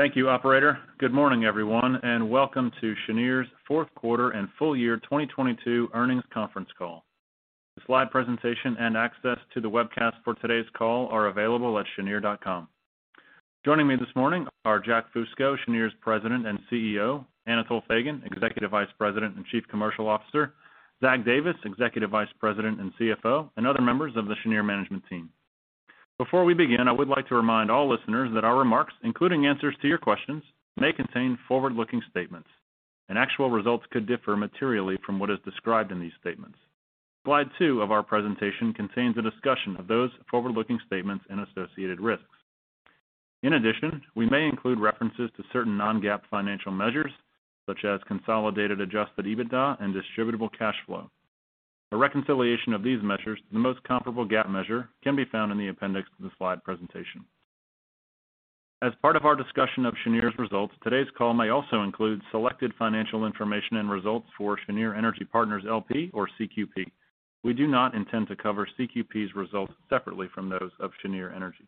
Thank you, operator. Good morning, everyone. Welcome to Cheniere's fourth quarter and full year 2022 earnings conference call. The slide presentation and access to the webcast for today's call are available at cheniere.com. Joining me this morning are Jack Fusco, Cheniere's President and CEO; Anatol Feygin, Executive Vice President and Chief Commercial Officer; Zach Davis, Executive Vice President and CFO; and other members of the Cheniere management team. Before we begin, I would like to remind all listeners that our remarks, including answers to your questions, may contain forward-looking statements and actual results could differ materially from what is described in these statements. Slide two of our presentation contains a discussion of those forward-looking statements and associated risks. In addition, we may include references to certain Non-GAAP financial measures, such as Consolidated Adjusted EBITDA and Distributable Cash Flow. A reconciliation of these measures to the most comparable GAAP measure can be found in the appendix to the slide presentation. As part of our discussion of Cheniere's results, today's call may also include selected financial information and results for Cheniere Energy Partners, L.P. or CQP. We do not intend to cover CQP's results separately from those of Cheniere Energy.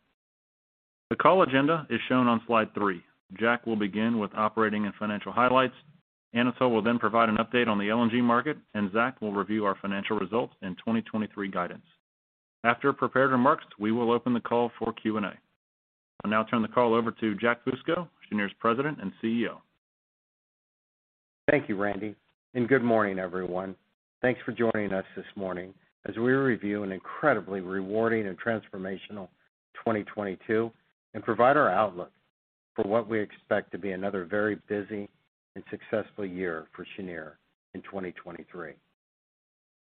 The call agenda is shown on slide three. Jack will begin with operating and financial highlights. Anatol will then provide an update on the LNG market, Zach will review our financial results and 2023 guidance. After prepared remarks, we will open the call for Q&A. I'll now turn the call over to Jack Fusco, Cheniere's President and CEO. Thank you, Randy, and good morning, everyone. Thanks for joining us this morning as we review an incredibly rewarding and transformational 2022 and provide our outlook for what we expect to be another very busy and successful year for Cheniere in 2023.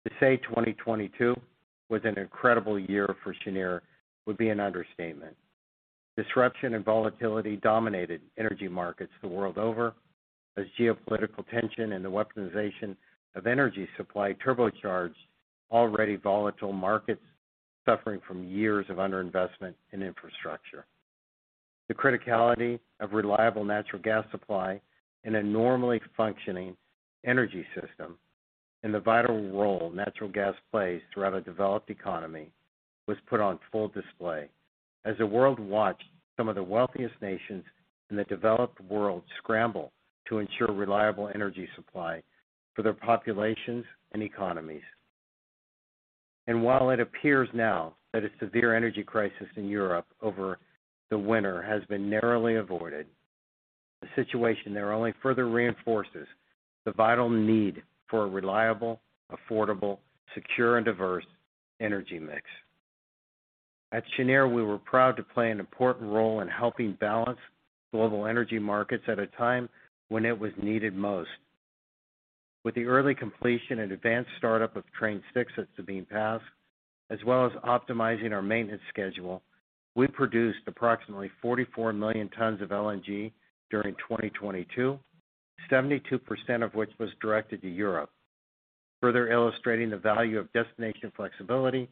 To say 2022 was an incredible year for Cheniere would be an understatement. Disruption and volatility dominated energy markets the world over as geopolitical tension and the weaponization of energy supply turbocharged already volatile markets suffering from years of underinvestment in infrastructure. The criticality of reliable natural gas supply in a normally functioning energy system and the vital role natural gas plays throughout a developed economy was put on full display as the world watched some of the wealthiest nations in the developed world scramble to ensure reliable energy supply for their populations and economies. While it appears now that a severe energy crisis in Europe over the winter has been narrowly avoided, the situation there only further reinforces the vital need for a reliable, affordable, secure, and diverse energy mix. At Cheniere, we were proud to play an important role in helping balance global energy markets at a time when it was needed most. With the early completion and advanced startup of Train 6 at Sabine Pass, as well as optimizing our maintenance schedule, we produced approximately 44 million tons of LNG during 2022, 72% of which was directed to Europe, further illustrating the value of destination flexibility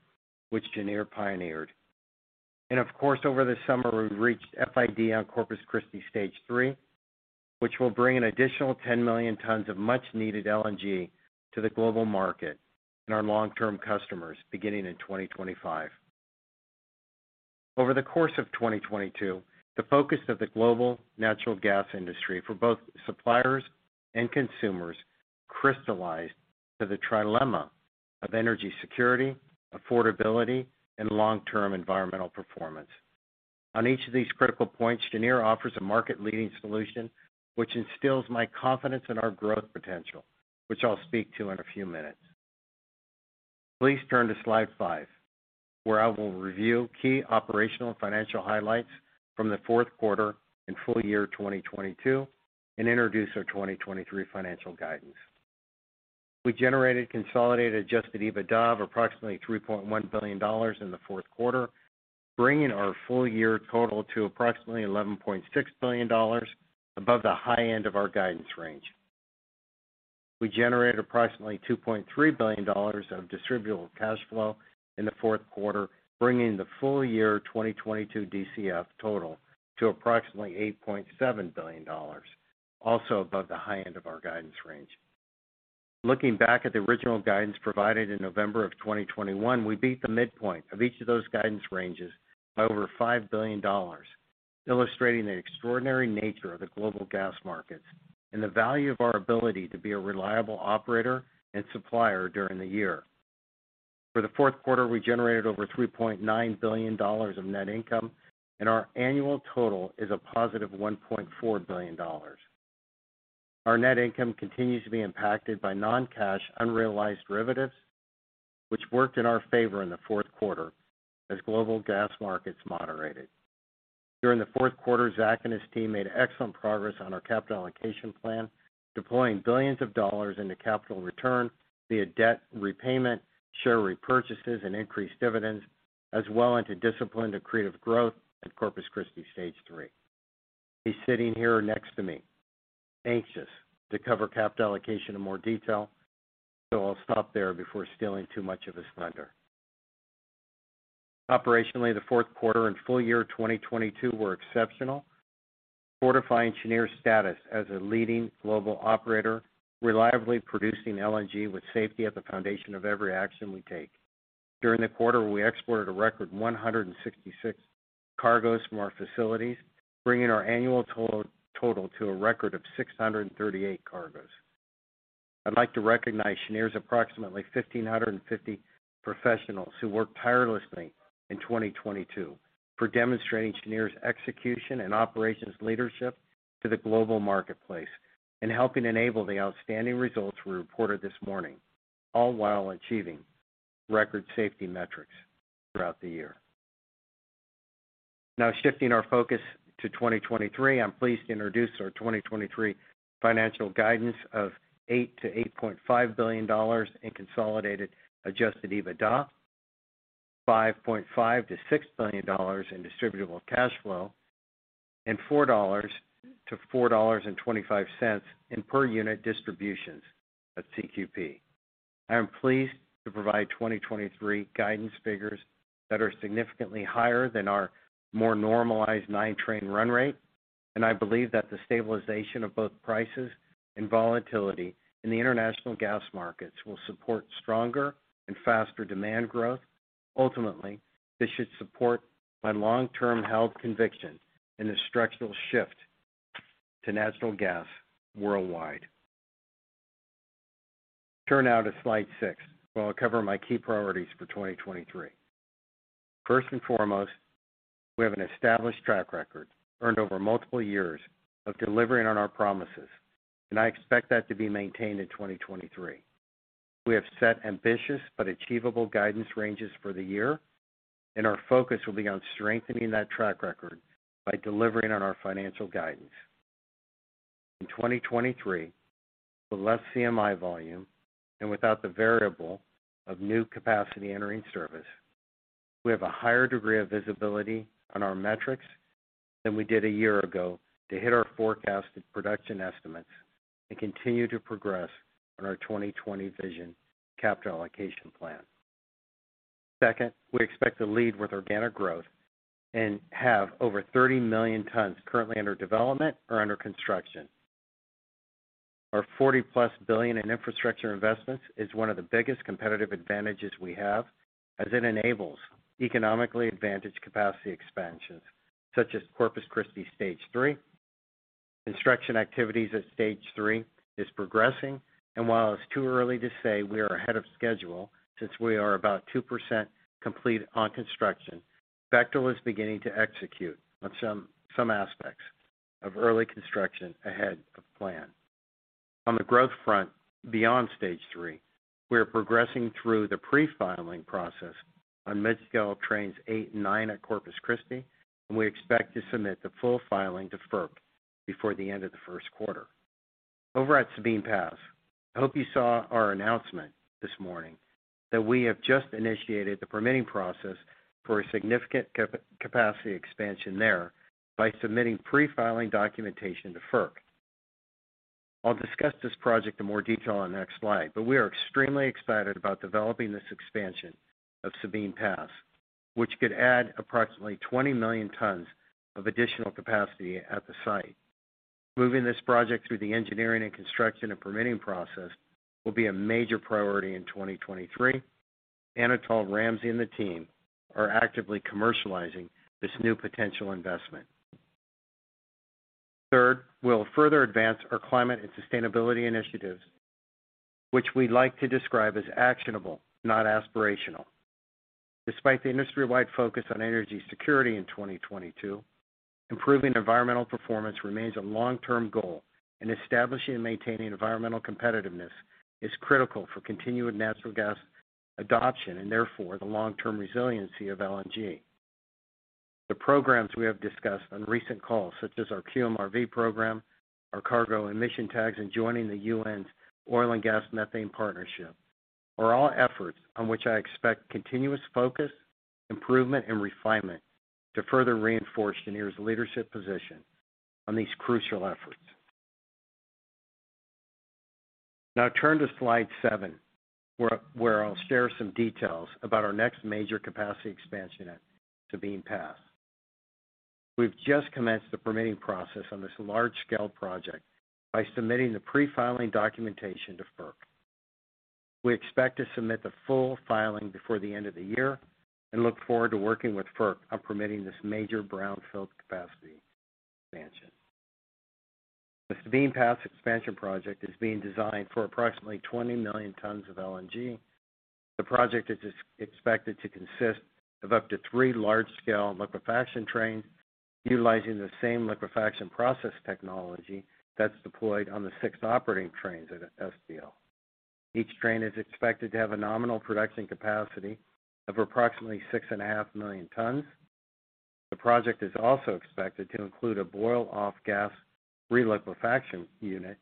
which Cheniere pioneered. Of course, over the summer, we reached FID on Corpus Christi Stage three, which will bring an additional 10 million tons of much-needed LNG to the global market and our long-term customers beginning in 2025. Over the course of 2022, the focus of the global natural gas industry for both suppliers and consumers crystallized to the trilemma of energy security, affordability, and long-term environmental performance. On each of these critical points, Cheniere offers a market-leading solution which instills my confidence in our growth potential, which I'll speak to in a few minutes. Please turn to slide 5, where I will review key operational and financial highlights from the fourth quarter and full year 2022 and introduce our 2023 financial guidance. We generated Consolidated Adjusted EBITDA of approximately $3.1 billion in the fourth quarter, bringing our full year total to approximately $11.6 billion above the high end of our guidance range. We generated approximately $2.3 billion of Distributable Cash Flow in the fourth quarter, bringing the full year 2022 DCF total to approximately $8.7 billion, also above the high end of our guidance range. Looking back at the original guidance provided in November of 2021, we beat the midpoint of each of those guidance ranges by over $5 billion, illustrating the extraordinary nature of the global gas markets and the value of our ability to be a reliable operator and supplier during the year. For the fourth quarter, we generated over $3.9 billion of net income. Our annual total is a positive $1.4 billion. Our net income continues to be impacted by non-cash unrealized derivatives, which worked in our favor in the fourth quarter as global gas markets moderated. During the fourth quarter, Zach and his team made excellent progress on our capital allocation plan, deploying billions of dollars into capital return via debt repayment, share repurchases, and increased dividends, as well into disciplined accretive growth at Corpus Christi Stage three. He's sitting here next to me, anxious to cover capital allocation in more detail. I'll stop there before stealing too much of his thunder. Operationally, the fourth quarter and full year 2022 were exceptional, fortifying Cheniere's status as a leading global operator, reliably producing LNG with safety at the foundation of every action we take. During the quarter, we exported a record 166 cargos from our facilities, bringing our annual total to a record of 638 cargos. I'd like to recognize Cheniere's approximately 1,550 professionals who worked tirelessly in 2022 for demonstrating Cheniere's execution and operations leadership to the global marketplace and helping enable the outstanding results we reported this morning, all while achieving record safety metrics throughout the year. Shifting our focus to 2023, I'm pleased to introduce our 2023 financial guidance of $8 billion-$8.5 billion in Consolidated Adjusted EBITDA, $5.5 billion-$6 billion in Distributable Cash Flow, and $4-$4.25 in per unit distributions of CQP. I am pleased to provide 2023 guidance figures that are significantly higher than our more normalized nine-train run rate. I believe that the stabilization of both prices and volatility in the international gas markets will support stronger and faster demand growth. Ultimately, this should support my long-term held conviction in the structural shift to natural gas worldwide. Turn now to slide six, where I'll cover my key priorities for 2023. First and foremost, we have an established track record earned over multiple years of delivering on our promises, and I expect that to be maintained in 2023. We have set ambitious but achievable guidance ranges for the year, and our focus will be on strengthening that track record by delivering on our financial guidance. In 2023, with less CMI volume and without the variable of new capacity entering service, we have a higher degree of visibility on our metrics than we did a year ago to hit our forecasted production estimates and continue to progress on our 20/20 Vision capital allocation plan. Second, we expect to lead with organic growth and have over 30 million tons currently under development or under construction. Our $40+ billion in infrastructure investments is one of the biggest competitive advantages we have as it enables economically advantaged capacity expansions such as Corpus Christi Stage 3. Construction activities at Stage three is progressing. While it's too early to say we are ahead of schedule, since we are about 2% complete on construction, Bechtel is beginning to execute on some aspects of early construction ahead of plan. On the growth front, beyond Stage 3, we are progressing through the pre-filing process on mid-scale trains eight and nine at Corpus Christi, we expect to submit the full filing to FERC before the end of the first quarter. Over at Sabine Pass, I hope you saw our announcement this morning that we have just initiated the permitting process for a significant capacity expansion there by submitting pre-filing documentation to FERC. I'll discuss this project in more detail on the next slide, we are extremely excited about developing this expansion of Sabine Pass, which could add approximately 20 million tons of additional capacity at the site. Moving this project through the engineering and construction and permitting process will be a major priority in 2023. Anatol Feygin and the team are actively commercializing this new potential investment. Third, we'll further advance our climate and sustainability initiatives, which we like to describe as actionable, not aspirational. Despite the industry-wide focus on energy security in 2022, improving environmental performance remains a long-term goal. Establishing and maintaining environmental competitiveness is critical for continued natural gas adoption and therefore the long-term resiliency of LNG. The programs we have discussed on recent calls, such as our QMRV program, our cargo emission tags, and joining the Oil & Gas Methane Partnership 2.0, are all efforts on which I expect continuous focus, improvement, and refinement to further reinforce Cheniere's leadership position on these crucial efforts. Now turn to slide seven, where I'll share some details about our next major capacity expansion at Sabine Pass. We've just commenced the permitting process on this large-scale project by submitting the pre-filing documentation to FERC. We expect to submit the full filing before the end of the year and look forward to working with FERC on permitting this major brownfield capacity expansion. The SPL Expansion Project is being designed for approximately 20 million tons of LNG. The project is expected to consist of up to three large-scale liquefaction trains utilizing the same liquefaction process technology that's deployed on the six operating trains at SPL. Each train is expected to have a nominal production capacity of approximately 6.5 million tons. The project is also expected to include a boil off gas reliquefaction unit,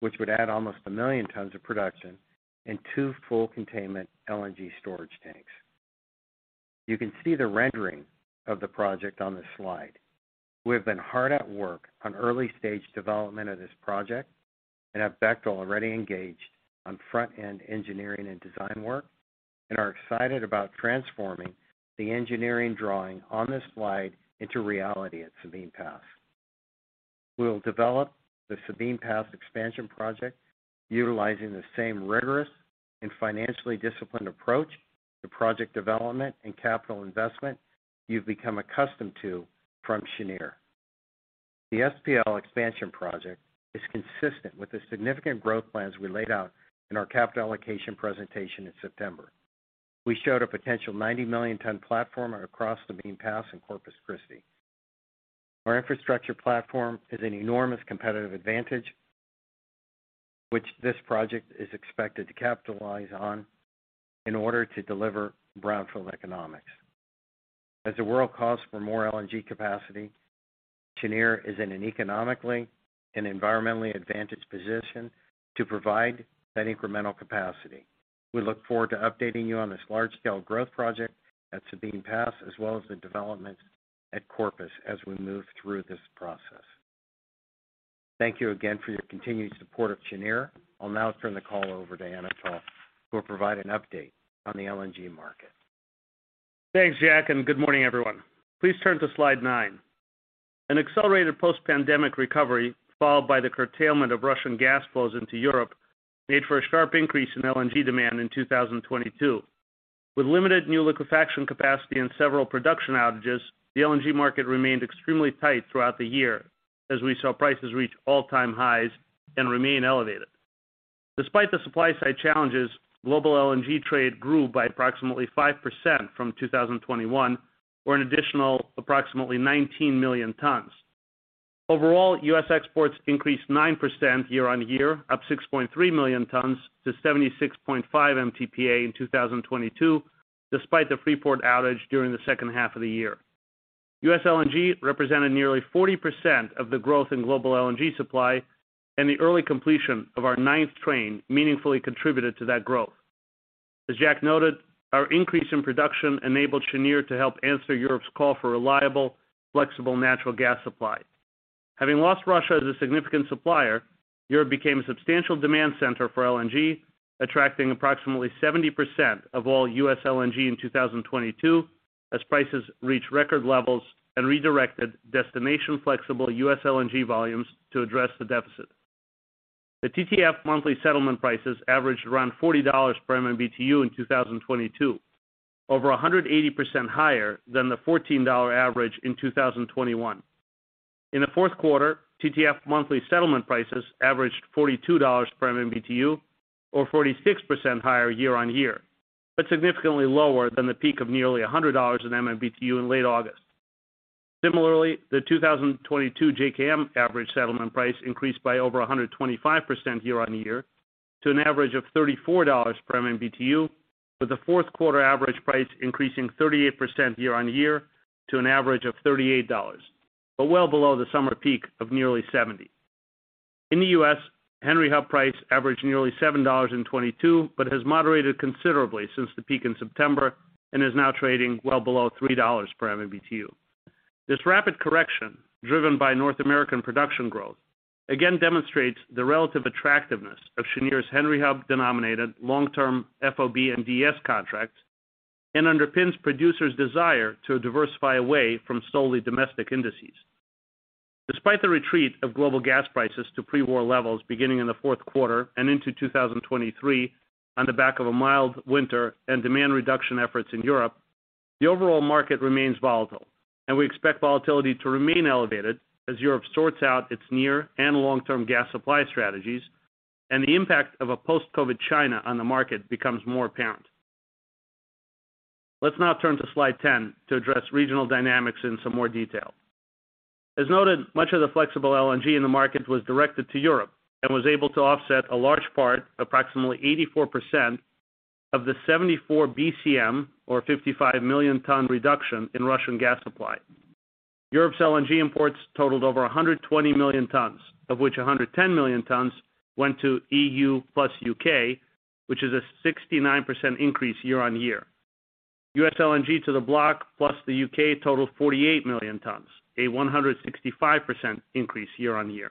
which would add almost 1 million tons of production and 2 full containment LNG storage tanks. You can see the rendering of the project on this slide. We have been hard at work on early-stage development of this project and have Bechtel already engaged on front-end engineering and design work and are excited about transforming the engineering drawing on this slide into reality at Sabine Pass. We'll develop the SPL Expansion Project utilizing the same rigorous and financially disciplined approach to project development and capital investment you've become accustomed to from Cheniere. The SPL Expansion Project is consistent with the significant growth plans we laid out in our capital allocation presentation in September. We showed a potential 90 million ton platform across Sabine Pass in Corpus Christi. Our infrastructure platform is an enormous competitive advantage which this project is expected to capitalize on in order to deliver brownfield economics. As the world calls for more LNG capacity, Cheniere is in an economically and environmentally advantaged position to provide that incremental capacity. We look forward to updating you on this large-scale growth project at Sabine Pass, as well as the development at Corpus as we move through this process. Thank you again for your continued support of Cheniere. I'll now turn the call over to Anatol, who will provide an update on the LNG market. Thanks, Jack, and good morning, everyone. Please turn to slide nine. An accelerated post-pandemic recovery, followed by the curtailment of Russian gas flows into Europe, made for a sharp increase in LNG demand in 2022. With limited new liquefaction capacity and several production outages, the LNG market remained extremely tight throughout the year as we saw prices reach all-time highs and remain elevated. Despite the supply-side challenges, global LNG trade grew by approximately 5% from 2021 or an additional approximately 19 million tons. Overall, U.S. exports increased 9% year-on-year, up 6.3 million tons to 76.5 MTPA in 2022, despite the Freeport outage during the second half of the year. U.S. LNG represented nearly 40% of the growth in global LNG supply, and the early completion of our ninth train meaningfully contributed to that growth. As Jack noted, our increase in production enabled Cheniere to help answer Europe's call for reliable, flexible natural gas supply. Having lost Russia as a significant supplier, Europe became a substantial demand center for LNG, attracting approximately 70% of all U.S. LNG in 2022 as prices reached record levels and redirected destination-flexible U.S. LNG volumes to address the deficit. The TTF monthly settlement prices averaged around $40 per MMBTU in 2022, over 180% higher than the $14 average in 2021. In the fourth quarter, TTF monthly settlement prices averaged $42 per MMBTU or 46% higher year-on-year, but significantly lower than the peak of nearly $100 an MMBTU in late August. Similarly, the 2022 JKM average settlement price increased by over 125% year-on-year to an average of $34 per MMBTU, with the fourth quarter average price increasing 38% year-on-year to an average of $38, well below the summer peak of nearly $70. In the U.S., Henry Hub price averaged nearly $7 in 2022, has moderated considerably since the peak in September and is now trading well below $3 per MMBTU. This rapid correction, driven by North American production growth, again demonstrates the relative attractiveness of Cheniere's Henry Hub denominated long-term FOB Index contracts and underpins producers' desire to diversify away from solely domestic indices. Despite the retreat of global gas prices to pre-war levels beginning in the fourth quarter and into 2023 on the back of a mild winter and demand reduction efforts in Europe, the overall market remains volatile, and we expect volatility to remain elevated as Europe sorts out its near and long-term gas supply strategies and the impact of a post-COVID China on the market becomes more apparent. Let's now turn to slide 10 to address regional dynamics in some more detail. As noted, much of the flexible LNG in the market was directed to Europe and was able to offset a large part, approximately 84% of the 74 BCM or 55 million ton reduction in Russian gas supply. Europe's LNG imports totaled over 120 million tons, of which 110 million tons went to EU plus U.K., which is a 69% increase year-on-year. U.S. LNG to the block, plus the U.K. total of 48 million tons, a 165% increase year-on-year.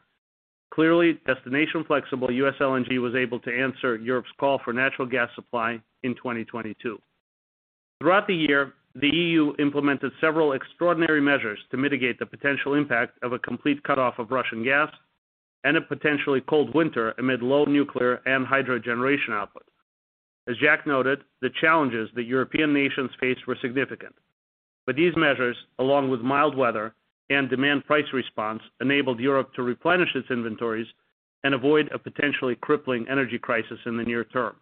Clearly, destination flexible U.S. LNG was able to answer Europe's call for natural gas supply in 2022. Throughout the year, the EU implemented several extraordinary measures to mitigate the potential impact of a complete cutoff of Russian gas and a potentially cold winter amid low nuclear and hydro generation output. As Jack noted, the challenges the European nations faced were significant. These measures, along with mild weather and demand price response, enabled Europe to replenish its inventories and avoid a potentially crippling energy crisis in the near term.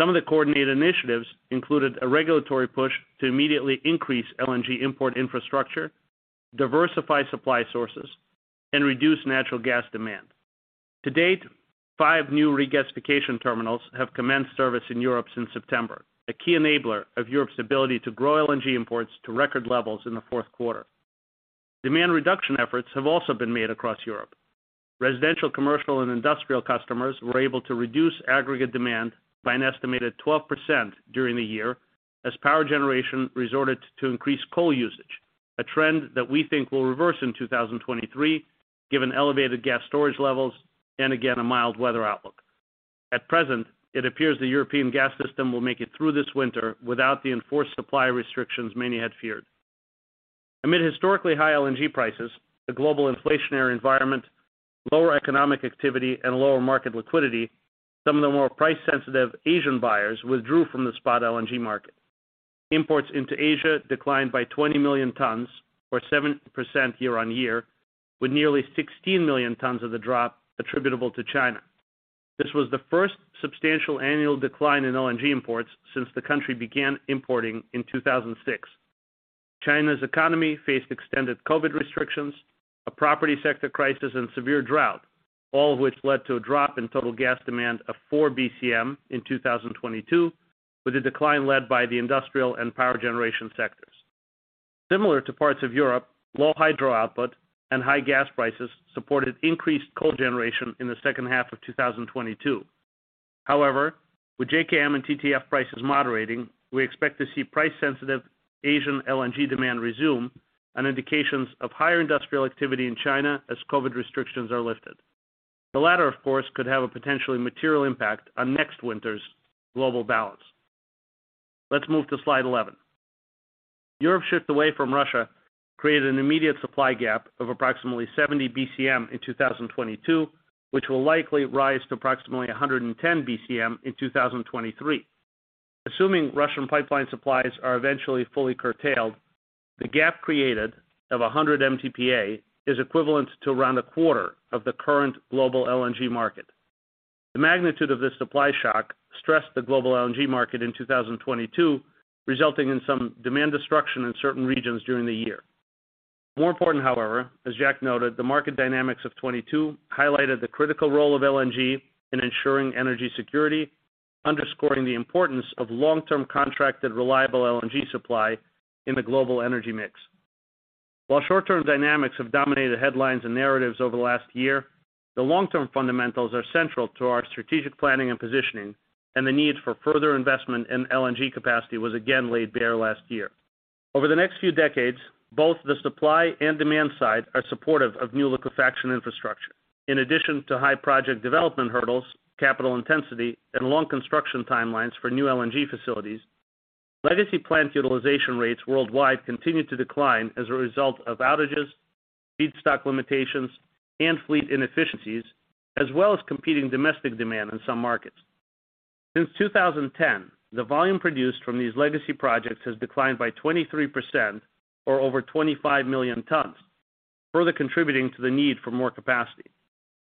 Some of the coordinated initiatives included a regulatory push to immediately increase LNG import infrastructure, diversify supply sources, and reduce natural gas demand. To date, five new regasification terminals have commenced service in Europe since September, a key enabler of Europe's ability to grow LNG imports to record levels in the fourth quarter. Demand reduction efforts have also been made across Europe. Residential, commercial, and industrial customers were able to reduce aggregate demand by an estimated 12% during the year as power generation resorted to increased coal usage, a trend that we think will reverse in 2023, given elevated gas storage levels and again, a mild weather outlook. At present, it appears the European gas system will make it through this winter without the enforced supply restrictions many had feared. Amid historically high LNG prices, the global inflationary environment, lower economic activity, and lower market liquidity, some of the more price-sensitive Asian buyers withdrew from the spot LNG market. Imports into Asia declined by 20 million tons, or 7% year-on-year, with nearly 16 million tons of the drop attributable to China. This was the first substantial annual decline in LNG imports since the country began importing in 2006. China's economy faced extended COVID restrictions, a property sector crisis, and severe drought, all of which led to a drop in total gas demand of four BCM in 2022, with a decline led by the industrial and power generation sectors. Similar to parts of Europe, low hydro output and high gas prices supported increased coal generation in the second half of 2022. With JKM and TTF prices moderating, we expect to see price-sensitive Asian LNG demand resume and indications of higher industrial activity in China as COVID restrictions are lifted. The latter, of course, could have a potentially material impact on next winter's global balance. Let's move to slide 11. Europe's shift away from Russia created an immediate supply gap of approximately 70 BCM in 2022, which will likely rise to approximately 110 BCM in 2023. Assuming Russian pipeline supplies are eventually fully curtailed, the gap created of 100 MTPA is equivalent to around 1/4 of the current global LNG market. The magnitude of this supply shock stressed the global LNG market in 2022, resulting in some demand destruction in certain regions during the year. More important, however, as Jack noted, the market dynamics of 2022 highlighted the critical role of LNG in ensuring energy security, underscoring the importance of long-term contracted reliable LNG supply in the global energy mix. While short-term dynamics have dominated headlines and narratives over the last year, the long-term fundamentals are central to our strategic planning and positioning, and the need for further investment in LNG capacity was again laid bare last year. Over the next few decades, both the supply and demand side are supportive of new liquefaction infrastructure. In addition to high project development hurdles, capital intensity, and long construction timelines for new LNG facilities, legacy plant utilization rates worldwide continue to decline as a result of outages, feedstock limitations, and fleet inefficiencies, as well as competing domestic demand in some markets. Since 2010, the volume produced from these legacy projects has declined by 23%, or over 25 million tons, further contributing to the need for more capacity.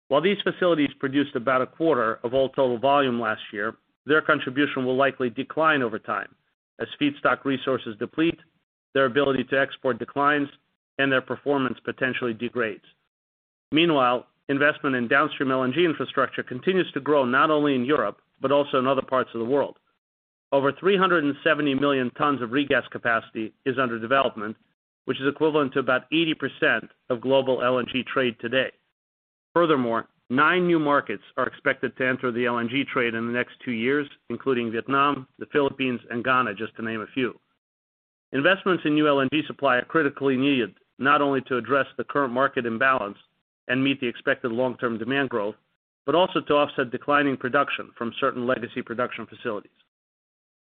While these facilities produced about a quarter of all total volume last year, their contribution will likely decline over time as feedstock resources deplete, their ability to export declines, and their performance potentially degrades. Meanwhile, investment in downstream LNG infrastructure continues to grow not only in Europe, but also in other parts of the world. Over 370 million tons of regas capacity is under development, which is equivalent to about 80% of global LNG trade today. Furthermore, nine new markets are expected to enter the LNG trade in the next two years, including Vietnam, the Philippines, and Ghana, just to name a few. Investments in new LNG supply are critically needed, not only to address the current market imbalance and meet the expected long-term demand growth, but also to offset declining production from certain legacy production facilities.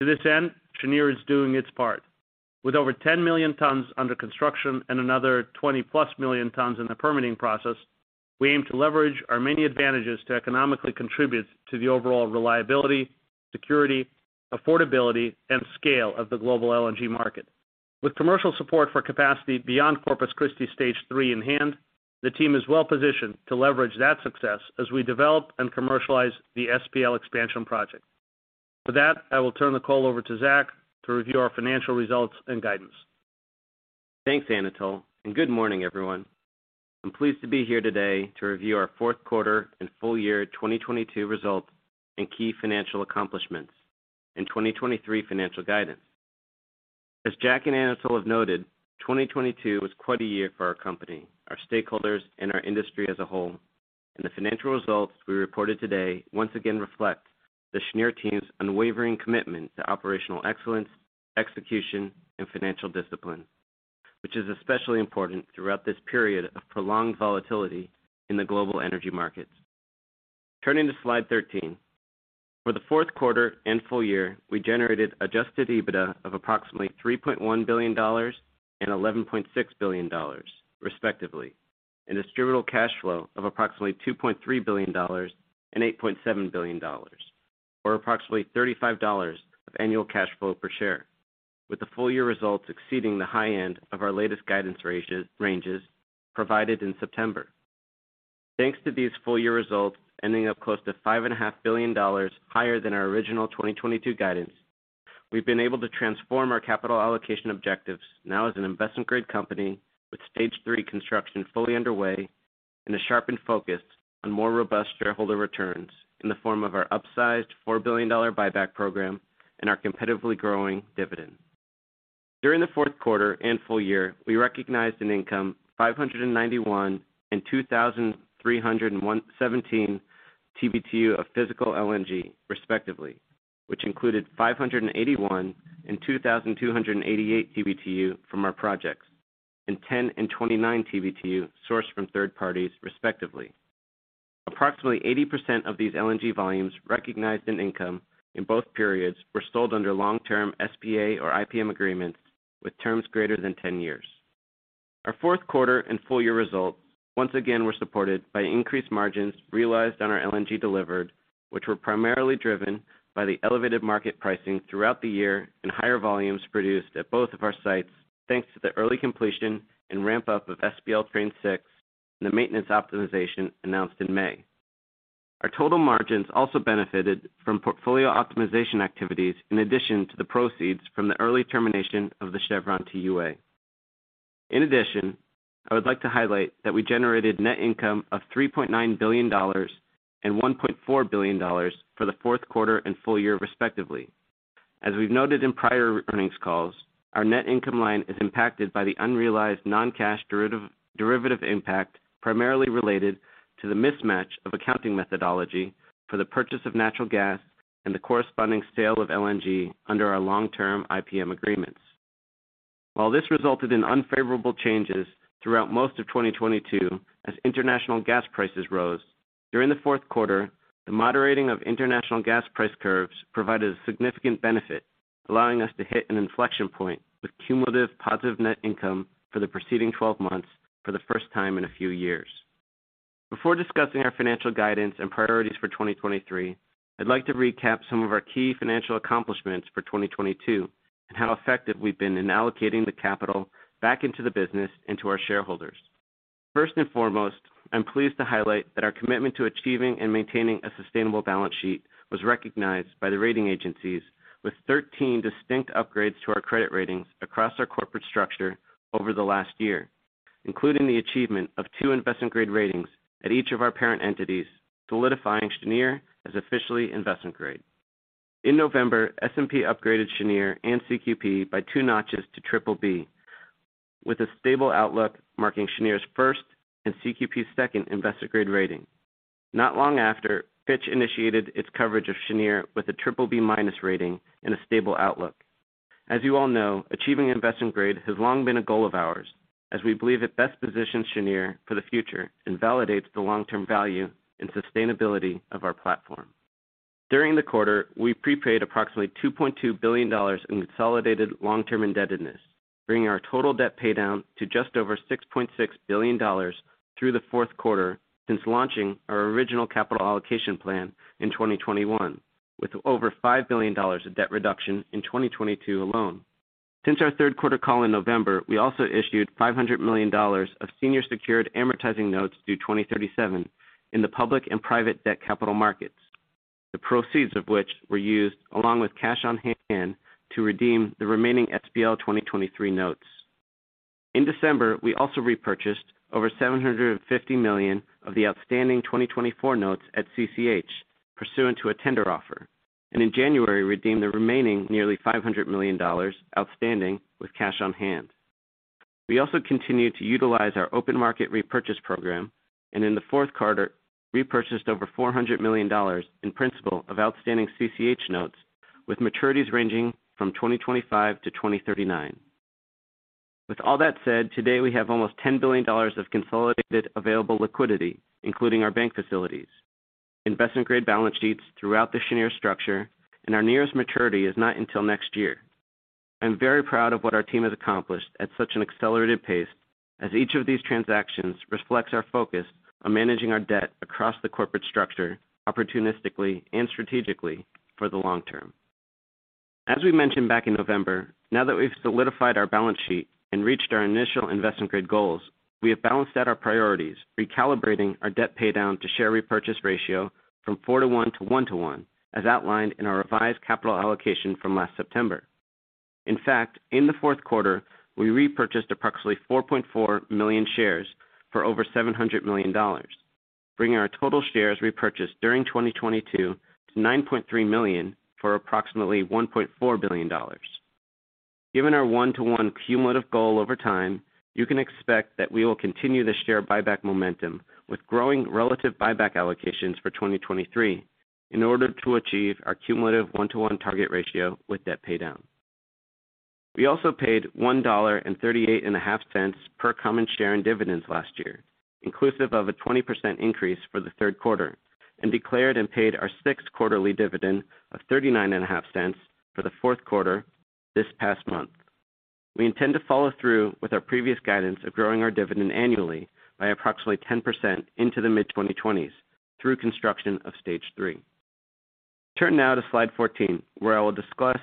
To this end, Cheniere is doing its part. With over 10 million tons under construction and another 20+ million tons in the permitting process, we aim to leverage our many advantages to economically contribute to the overall reliability, security, affordability, and scale of the global LNG market. With commercial support for capacity beyond Corpus Christi Stage three in hand, the team is well-positioned to leverage that success as we develop and commercialize the SPL Expansion Project. For that, I will turn the call over to Zach to review our financial results and guidance. Thanks, Anatol. Good morning, everyone. I'm pleased to be here today to review our fourth quarter and full year 2022 results and key financial accomplishments and 2023 financial guidance. As Jack and Anatol have noted, 2022 was quite a year for our company, our stakeholders, and our industry as a whole. The financial results we reported today once again reflect the Cheniere team's unwavering commitment to operational excellence, execution, and financial discipline, which is especially important throughout this period of prolonged volatility in the global energy markets. Turning to slide 13. For the fourth quarter and full year, we generated Adjusted EBITDA of approximately $3.1 billion and $11.6 billion, respectively, and Distributable Cash Flow of approximately $2.3 billion and $8.7 billion, or approximately $35 of annual cash flow per share, with the full year results exceeding the high end of our latest guidance ranges provided in September. Thanks to these full year results ending up close to five and a half billion dollars higher than our original 2022 guidance, we've been able to transform our capital allocation objectives now as an investment-grade company with stage three construction fully underway and a sharpened focus on more robust shareholder returns in the form of our upsized $4 billion buyback program and our competitively growing dividend. During the fourth quarter and full year, we recognized an income 591 and 2,317 TBtu of physical LNG, respectively, which included 581 and 2,288 TBtu from our projects. 10 and 29 TBtu sourced from third parties respectively. Approximately 80% of these LNG volumes recognized in income in both periods were sold under long-term SPA or IPM agreements with terms greater than 10 years. Our fourth quarter and full year results once again were supported by increased margins realized on our LNG delivered, which were primarily driven by the elevated market pricing throughout the year and higher volumes produced at both of our sites, thanks to the early completion and ramp-up of SPL Train 6 and the maintenance optimization announced in May. Our total margins also benefited from portfolio optimization activities in addition to the proceeds from the early termination of the Chevron TUA. In addition, I would like to highlight that we generated net income of $3.9 billion and $1.4 billion for the fourth quarter and full year respectively. As we've noted in prior earnings calls, our net income line is impacted by the unrealized non-cash derivative impact, primarily related to the mismatch of accounting methodology for the purchase of natural gas and the corresponding sale of LNG under our long-term IPM agreements. This resulted in unfavorable changes throughout most of 2022 as international gas prices rose, during the fourth quarter, the moderating of international gas price curves provided a significant benefit, allowing us to hit an inflection point with cumulative positive net income for the preceding 12 months for the first time in a few years. Before discussing our financial guidance and priorities for 2023, I'd like to recap some of our key financial accomplishments for 2022 and how effective we've been in allocating the capital back into the business and to our shareholders. First and foremost, I'm pleased to highlight that our commitment to achieving and maintaining a sustainable balance sheet was recognized by the rating agencies with 13 distinct upgrades to our credit ratings across our corporate structure over the last year, including the achievement of 2 investment-grade ratings at each of our parent entities, solidifying Cheniere as officially investment-grade. In November, S&P upgraded Cheniere and CQP by two notches to BBB, with a stable outlook marking Cheniere's first and CQP's second investment-grade rating. Not long after, Fitch initiated its coverage of Cheniere with a BBB- rating and a stable outlook. As you all know, achieving investment-grade has long been a goal of ours as we believe it best positions Cheniere for the future and validates the long-term value and sustainability of our platform. During the quarter, we prepaid approximately $2.2 billion in consolidated long-term indebtedness, bringing our total debt paydown to just over $6.6 billion through the fourth quarter since launching our original capital allocation plan in 2021, with over $5 billion of debt reduction in 2022 alone. Since our third quarter call in November, we also issued $500 million of senior secured amortizing notes due 2037 in the public and private debt capital markets, the proceeds of which were used along with cash on hand to redeem the remaining SPL 2023 notes. In December, we also repurchased over $750 million of the outstanding 2024 notes at CCH pursuant to a tender offer, and in January, redeemed the remaining nearly $500 million outstanding with cash on hand. We also continued to utilize our open market repurchase program. In the fourth quarter, repurchased over $400 million in principal of outstanding CCH notes with maturities ranging from 2025 to 2039. All that said, today we have almost $10 billion of consolidated available liquidity, including our bank facilities, investment-grade balance sheets throughout the Cheniere structure. Our nearest maturity is not until next year. I'm very proud of what our team has accomplished at such an accelerated pace as each of these transactions reflects our focus on managing our debt across the corporate structure opportunistically and strategically for the long term. As we mentioned back in November, now that we've solidified our balance sheet and reached our initial investment grade goals, we have balanced out our priorities, recalibrating our debt paydown to share repurchase ratio from four-one-one-one, as outlined in our revised capital allocation from last September. In the fourth quarter, we repurchased approximately 4.4 million shares for over $700 million, bringing our total shares repurchased during 2022 to 9.3 million for approximately $1.4 billion. Given our one-to-one cumulative goal over time, you can expect that we will continue the share buyback momentum with growing relative buyback allocations for 2023 in order to achieve our cumulative one-one target ratio with debt paydown. We also paid $1 and thirty-eight and a half cents per common share in dividends last year, inclusive of a 20% increase for the third quarter, and declared and paid our sixth quarterly dividend of thirty-nine and a half cents for the fourth quarter this past month. We intend to follow through with our previous guidance of growing our dividend annually by approximately 10% into the mid-2020s through construction of Stage three. Turn now to Slide 14, where I will discuss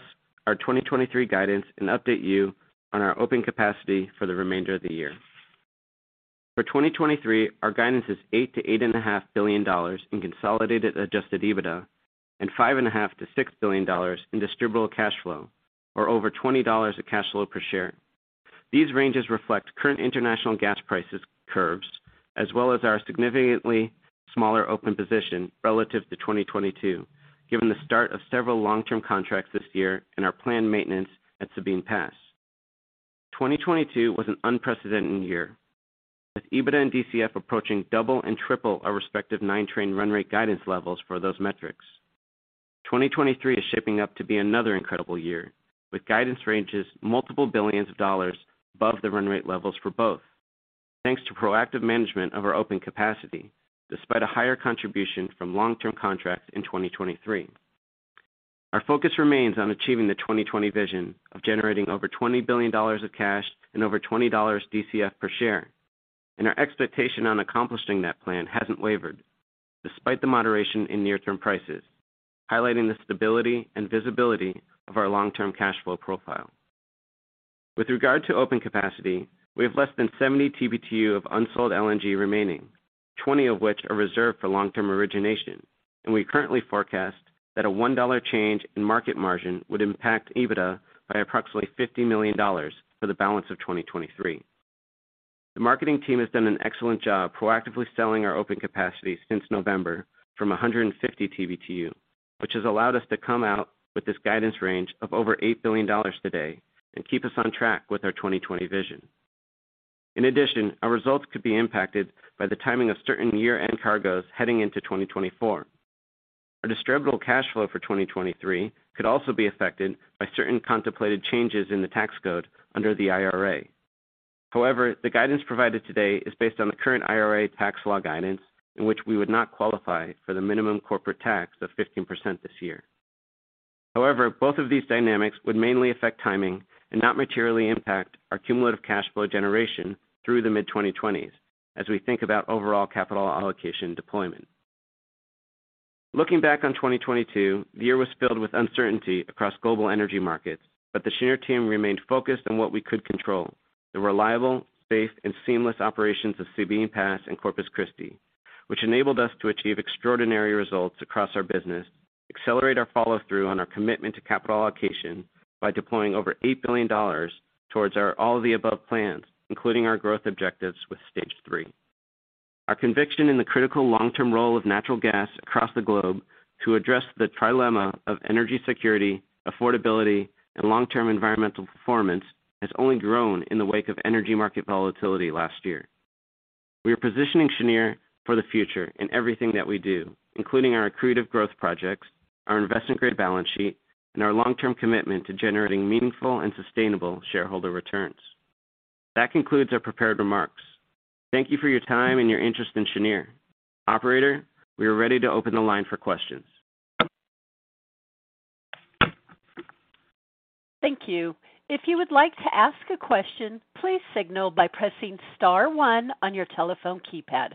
our 2023 guidance and update you on our open capacity for the remainder of the year. For 2023, our guidance is $8 billion-$8.5 billion in Consolidated Adjusted EBITDA and $5.5 billion-$6 billion in Distributable Cash Flow, or over $20 of cash flow per share. These ranges reflect current international gas prices curves, as well as our significantly smaller open position relative to 2022, given the start of several long-term contracts this year and our planned maintenance at Sabine Pass. 2022 was an unprecedented year, with EBITDA and DCF approaching double and triple our respective nine-train run rate guidance levels for those metrics. 2023 is shaping up to be another incredible year, with guidance ranges multiple billions of dollars above the run rate levels for both, thanks to proactive management of our open capacity despite a higher contribution from long-term contracts in 2023. Our focus remains on achieving the 20/20 Vision of generating over $20 billion of cash and over $20 DCF per share. Our expectation on accomplishing that plan hasn't wavered, despite the moderation in near-term prices, highlighting the stability and visibility of our long-term cash flow profile. With regard to open capacity, we have less than 70 TBtu of unsold LNG remaining, 20 of which are reserved for long-term origination, and we currently forecast that a $1 change in market margin would impact EBITDA by approximately $50 million for the balance of 2023. The marketing team has done an excellent job proactively selling our open capacity since November from 150 TBtu, which has allowed us to come out with this guidance range of over $8 billion today and keep us on track with our 20/20 Vision. In addition, our results could be impacted by the timing of certain year-end cargoes heading into 2024. Our distributable cash flow for 2023 could also be affected by certain contemplated changes in the tax code under the IRA. The guidance provided today is based on the current IRA tax law guidance, in which we would not qualify for the minimum corporate tax of 15% this year. Both of these dynamics would mainly affect timing and not materially impact our cumulative cash flow generation through the mid-2020s as we think about overall capital allocation deployment. Looking back on 2022, the year was filled with uncertainty across global energy markets, but the Cheniere team remained focused on what we could control. The reliable, safe, and seamless operations of Sabine Pass and Corpus Christi, which enabled us to achieve extraordinary results across our business, accelerate our follow-through on our commitment to capital allocation by deploying over $8 billion towards our all-of-the-above plans, including our growth objectives with Stage three. Our conviction in the critical long-term role of natural gas across the globe to address the trilemma of energy security, affordability, and long-term environmental performance has only grown in the wake of energy market volatility last year. We are positioning Cheniere for the future in everything that we do, including our accretive growth projects, our investment-grade balance sheet, and our long-term commitment to generating meaningful and sustainable shareholder returns. That concludes our prepared remarks. Thank you for your time and your interest in Cheniere. Operator, we are ready to open the line for questions. Thank you. If you would like to ask a question, please signal by pressing star one on your telephone keypad.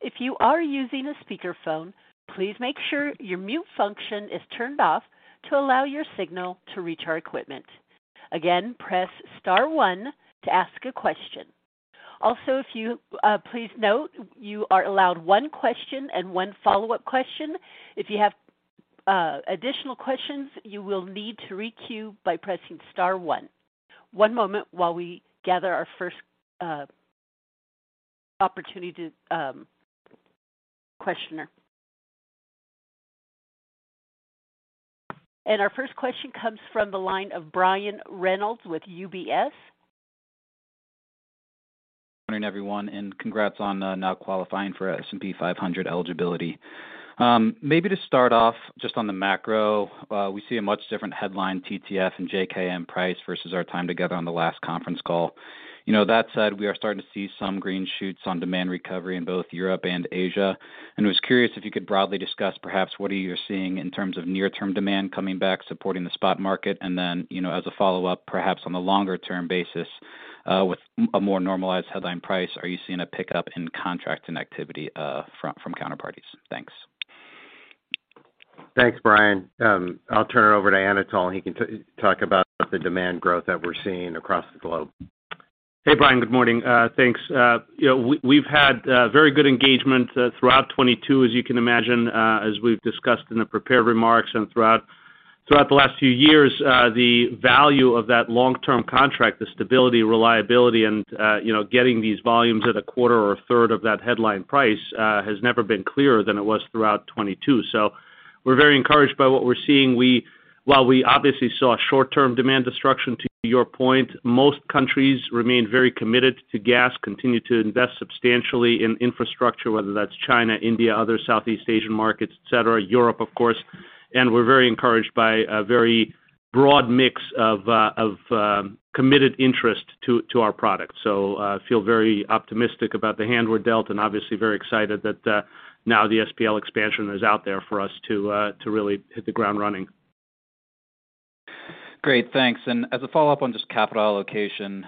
If you are using a speakerphone, please make sure your mute function is turned off to allow your signal to reach our equipment. Again, press star one to ask a question. Also, if you, please note, you are allowed one question and one follow-up question. If you have additional questions, you will need to re-queue by pressing star one. One moment while we gather our first opportunity to questioner. Our first question comes from the line of Brian Reynolds with UBS. Morning, everyone, congrats on now qualifying for S&P 500 eligibility. Maybe to start off just on the macro, we see a much different headline TTF and JKM price versus our time together on the last conference call. You know, that said, we are starting to see some green shoots on demand recovery in both Europe and Asia. I was curious if you could broadly discuss perhaps what are you seeing in terms of near-term demand coming back, supporting the spot market. Then, you know, as a follow-up, perhaps on a longer-term basis, with a more normalized headline price, are you seeing a pickup in contracting activity from counterparties? Thanks. Thanks, Brian. I'll turn it over to Anatol. He can talk about the demand growth that we're seeing across the globe. Hey, Brian, good morning. Thanks. you know, we've had very good engagement throughout 2022, as you can imagine, as we've discussed in the prepared remarks and throughout the last few years. The value of that long-term contract, the stability, reliability and, you know, getting these volumes at a quarter or a third of that headline price, has never been clearer than it was throughout 2022. We're very encouraged by what we're seeing. While we obviously saw short-term demand destruction, to your point, most countries remain very committed to gas, continue to invest substantially in infrastructure, whether that's China, India, other Southeast Asian markets, et cetera. Europe, of course. We're very encouraged by a very broad mix of, committed interest to our product. Feel very optimistic about the hand we're dealt and obviously very excited that now the SPL Expansion is out there for us to really hit the ground running. Great. Thanks. As a follow-up on just capital allocation,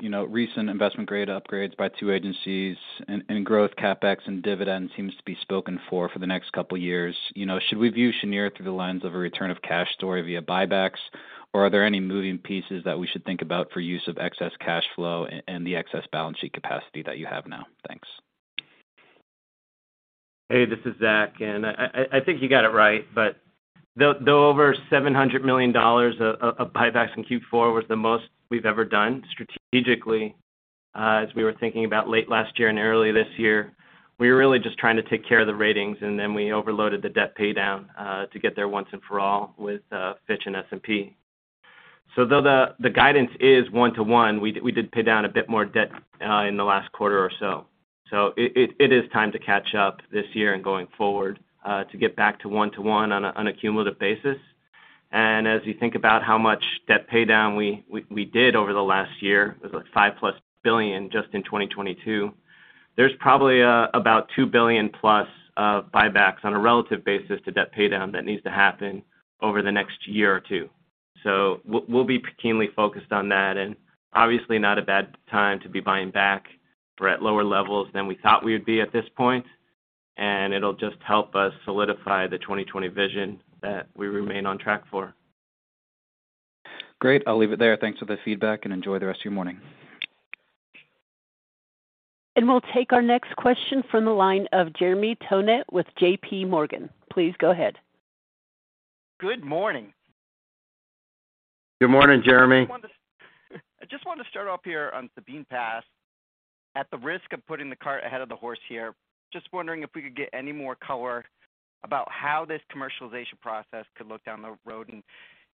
you know, recent investment-grade upgrades by 2 agencies and growth CapEx and dividends seems to be spoken for for the next couple of years. You know, should we view Cheniere through the lens of a return of cash story via buybacks, or are there any moving pieces that we should think about for use of excess cash flow and the excess balance sheet capacity that you have now? Thanks. Hey, this is Zach, and I think you got it right. The over $700 million of buybacks in Q4 was the most we've ever done strategically. As we were thinking about late last year and early this year, we were really just trying to take care of the ratings, then we overloaded the debt paydown to get there once and for all with Fitch and S&P. Though the guidance is one-to-one, we did pay down a bit more debt in the last quarter or so. It is time to catch up this year and going forward to get back to one-to-one on a cumulative basis. As you think about how much debt pay down we did over the last year, it was like $5+ billion just in 2022. There's probably about $2 billion+ of buybacks on a relative basis to debt pay down that needs to happen over the next year or two. We'll be keenly focused on that, and obviously not a bad time to be buying back. We're at lower levels than we thought we would be at this point, and it'll just help us solidify the 20/20 Vision that we remain on track for. Great. I'll leave it there. Thanks for the feedback, and enjoy the rest of your morning. We'll take our next question from the line of Jeremy Tonet with J.P. Morgan. Please go ahead. Good morning. Good morning, Jeremy. I just want to start off here on Sabine Pass. At the risk of putting the cart ahead of the horse here, just wondering if we could get any more color about how this commercialization process could look down the road.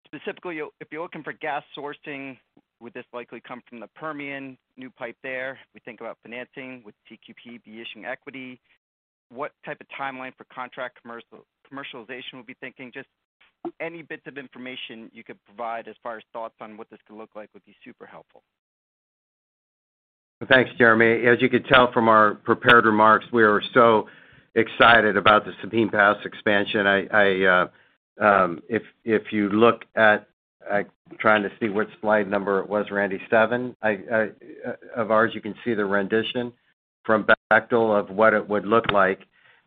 Specifically, if you're looking for gas sourcing, would this likely come from the Permian new pipe there? We think about financing with CQP be issuing equity? What type of timeline for contract commercialization we'll be thinking? Just any bits of information you could provide as far as thoughts on what this could look like would be super helpful. Thanks, Jeremy. As you could tell from our prepared remarks, we are so excited about the Sabine Pass expansion. If you look at trying to see what slide number it was, Randy, seven? Of ours, you can see the rendition from Bechtel of what it would look like.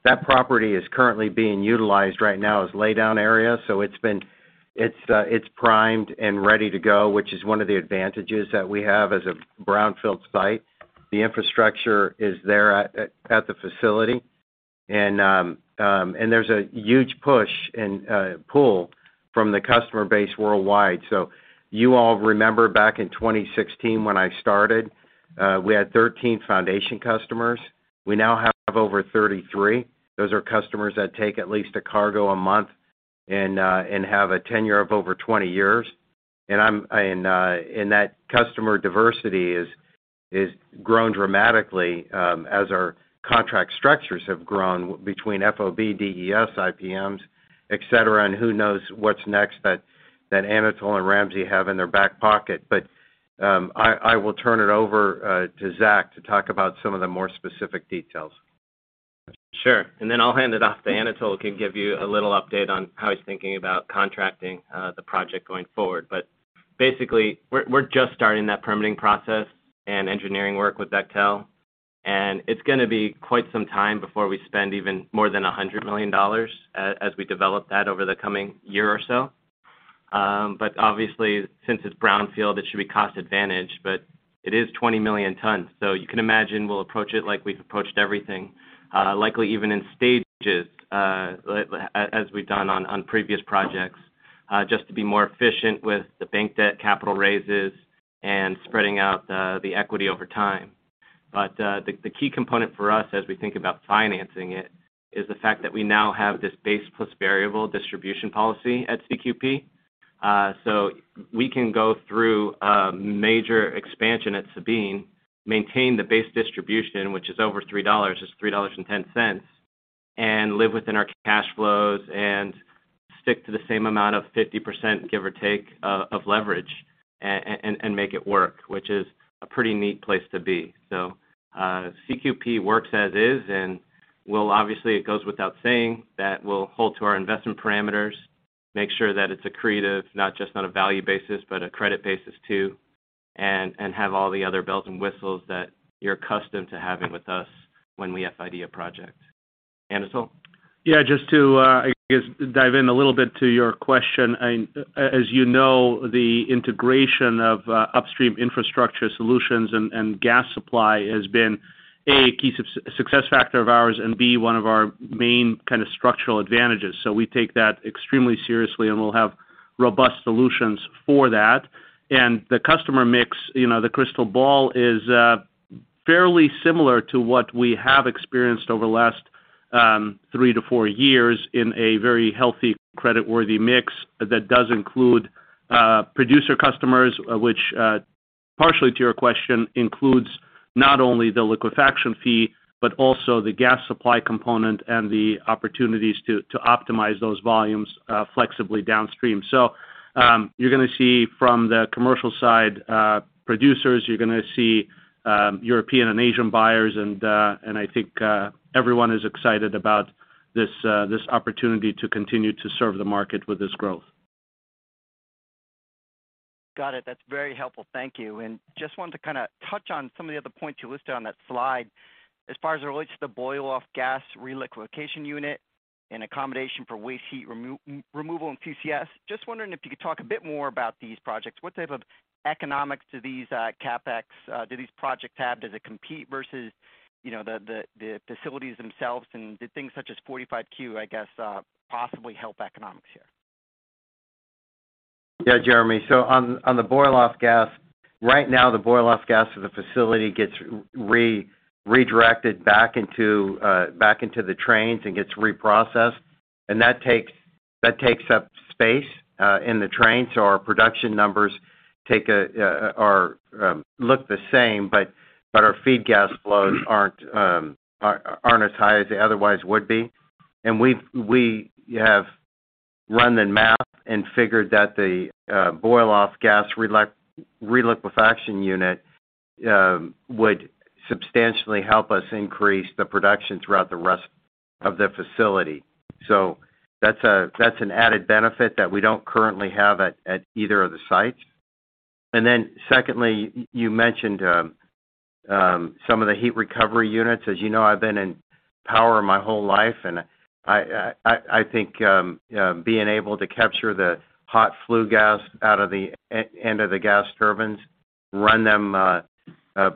That property is currently being utilized right now as laydown area. It's primed and ready to go, which is one of the advantages that we have as a brownfield site. The infrastructure is there at the facility. There's a huge push and pull from the customer base worldwide. You all remember back in 2016 when I started, we had 13 foundation customers. We now have over 33. Those are customers that take at least a cargo a month and have a tenure of over 20 years. That customer diversity is grown dramatically as our contract structures have grown between FOB, DES, IPMs, et cetera, and who knows what's next that Anatol Feygin have in their back pocket. I will turn it over to Zach to talk about some of the more specific details. Sure. I'll hand it off to Anatol who can give you a little update on how he's thinking about contracting, the project going forward. We're just starting that permitting process and engineering work with Bechtel, and it's gonna be quite some time before we spend even more than $100 million as we develop that over the coming year or so. Obviously, since it's brownfield, it should be cost advantage, but it is 20 million tons. You can imagine we'll approach it like we've approached everything, likely even in stages, as we've done on previous projects, just to be more efficient with the bank debt capital raises and spreading out the equity over time. The key component for us as we think about financing it is the fact that we now have this base plus variable distribution policy at CQP. So we can go through a major expansion at Sabine, maintain the base distribution, which is over $3, it's $3.10, and live within our cash flows and stick to the same amount of 50%, give or take, of leverage and make it work, which is a pretty neat place to be. CQP works as is, and we'll obviously, it goes without saying that we'll hold to our investment parameters, make sure that it's accretive, not just on a value basis, but a credit basis too, and have all the other bells and whistles that you're accustomed to having with us when we FID a project. Anatol? Yeah. Just to, I guess, dive in a little bit to your question. As you know, the integration of upstream infrastructure solutions and gas supply has been, A, a key success factor of ours, and B, one of our main kind of structural advantages. We take that extremely seriously, and we'll have robust solutions for that. The customer mix, you know, the crystal ball is fairly similar to what we have experienced over the last 3 to 4 years in a very healthy, credit-worthy mix that does include producer customers, which, partially to your question, includes not only the liquefaction fee, but also the gas supply component and the opportunities to optimize those volumes flexibly downstream. You're gonna see from the commercial side, producers, you're gonna see, European and Asian buyers, and I think everyone is excited about this opportunity to continue to serve the market with this growth. Got it. That's very helpful. Thank you. Just wanted to kinda touch on some of the other points you listed on that slide. As far as it relates to the boil off gas reliquefaction unit and accommodation for waste heat removal and CCS, just wondering if you could talk a bit more about these projects. What type of economics do these CapEx do these projects have? Does it compete versus, you know, the facilities themselves? Do things such as 45Q, I guess, possibly help economics here? Yeah, Jeremy. On the boil off gas, right now the boil off gas of the facility gets redirected back into the trains and gets reprocessed. That takes up space in the train. Our production numbers are look the same, but our feed gas flows aren't as high as they otherwise would be. We have run the math and figured that the boil off gas reliquefaction unit would substantially help us increase the production throughout the rest of the facility. That's an added benefit that we don't currently have at either of the sites. Secondly, you mentioned some of the heat recovery units. As you know, I've been in power my whole life, and I think being able to capture the hot flue gas out of the end of the gas turbines, run them,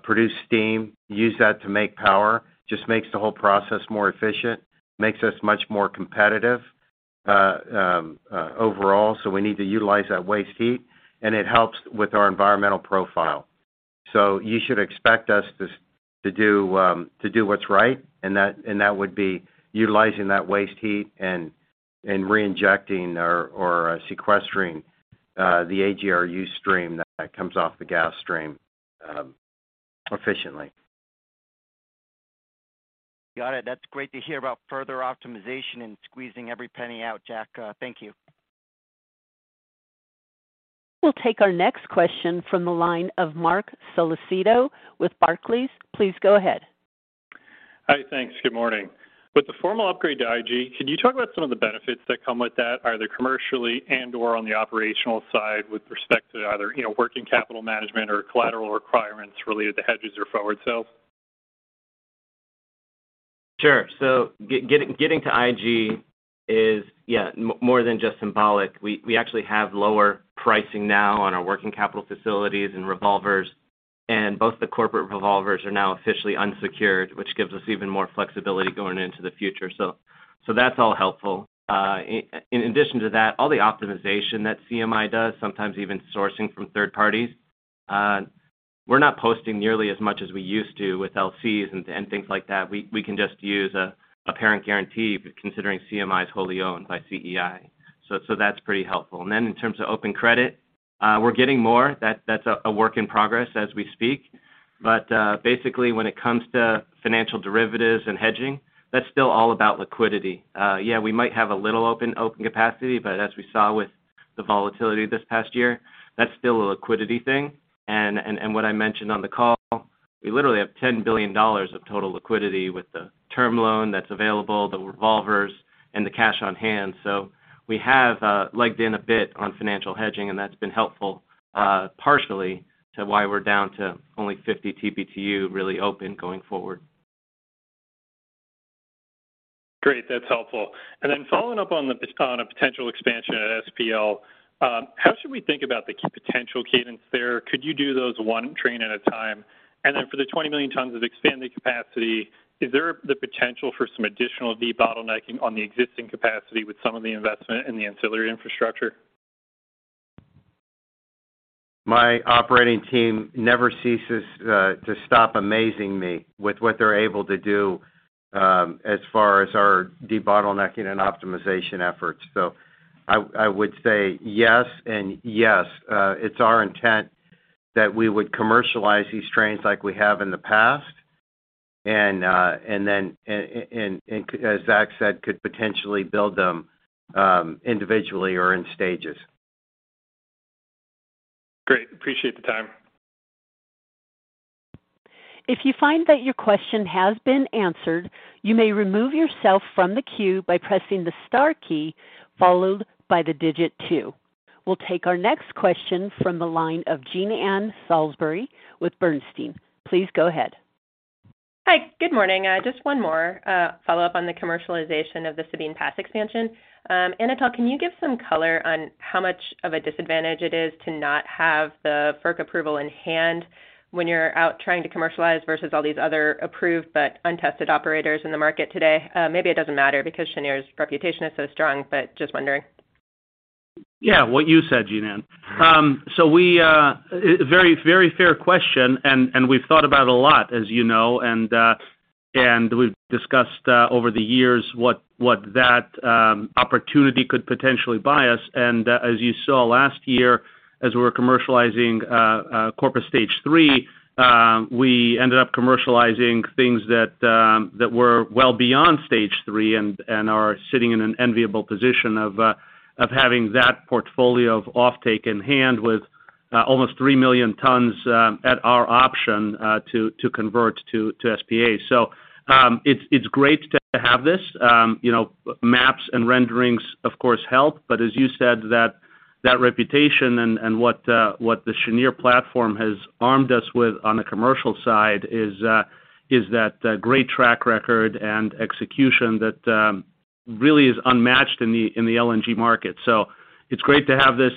produce steam, use that to make power, just makes the whole process more efficient, makes us much more competitive overall. We need to utilize that waste heat, and it helps with our environmental profile. You should expect us to do what's right, and that would be utilizing that waste heat and reinjecting or sequestering the AGRU stream that comes off the gas stream efficiently. Got it. That's great to hear about further optimization and squeezing every penny out, Jack. Thank you. We'll take our next question from the line of Marc Solecitto with Barclays. Please go ahead. Hi. Thanks. Good morning. With the formal upgrade to IG, can you talk about some of the benefits that come with that, either commercially and/or on the operational side with respect to either, you know, working capital management or collateral requirements related to hedges or forward sales? Sure. Getting to IG is, yeah, more than just symbolic. We actually have lower pricing now on our working capital facilities and revolvers, and both the corporate revolvers are now officially unsecured, which gives us even more flexibility going into the future. That's all helpful. In addition to that, all the optimization that CMI does, sometimes even sourcing from third parties, we're not posting nearly as much as we used to with LCs and things like that. We can just use a parent guarantee considering CMI is wholly owned by CEI. That's pretty helpful. In terms of open credit, we're getting more. That's a work in progress as we speak. Basically, when it comes to financial derivatives and hedging, that's still all about liquidity. Yeah, we might have a little open capacity, but as we saw with the volatility this past year, that's still a liquidity thing. What I mentioned on the call, we literally have $10 billion of total liquidity with the term loan that's available, the revolvers, and the cash on hand. We have legged in a bit on financial hedging, and that's been helpful, partially to why we're down to only 50 TBtu really open going forward. Great. That's helpful. Following up on a potential expansion at SPL, how should we think about the potential cadence there? Could you do those one train at a time? For the 20 million tons of expanded capacity, is there the potential for some additional debottlenecking on the existing capacity with some of the investment in the ancillary infrastructure? My operating team never ceases to stop amazing me with what they're able to do as far as our debottlenecking and optimization efforts. I would say yes, and yes. It's our intent that we would commercialize these trains like we have in the past, and then as Zach said, could potentially build them individually or in stages. Great. Appreciate the time. If you find that your question has been answered, you may remove yourself from the queue by pressing the star key followed by the digit two. We'll take our next question from the line of Jean Ann Salisbury with Bernstein. Please go ahead. Hi. Good morning. Just one more follow-up on the commercialization of the Sabine Pass expansion. Anatol, can you give some color on how much of a disadvantage it is to not have the FERC approval in hand when you're out trying to commercialize versus all these other approved but untested operators in the market today? Maybe it doesn't matter because Cheniere's reputation is so strong, just wondering. Yeah. What you said, Jeananne. Very, very fair question. We've thought about it a lot, as you know, and we've discussed over the years what that opportunity could potentially buy us. As you saw last year, as we were commercializing Corpus Stage 3, we ended up commercializing things that were well beyond Stage 3 and are sitting in an enviable position of having that portfolio of offtake in hand with almost 3 million tons at our option to convert to SPA. It's great to have this. You know, maps and renderings, of course, help. As you said, that reputation and what the Cheniere platform has armed us with on the commercial side is that great track record and execution that really is unmatched in the LNG market. It's great to have this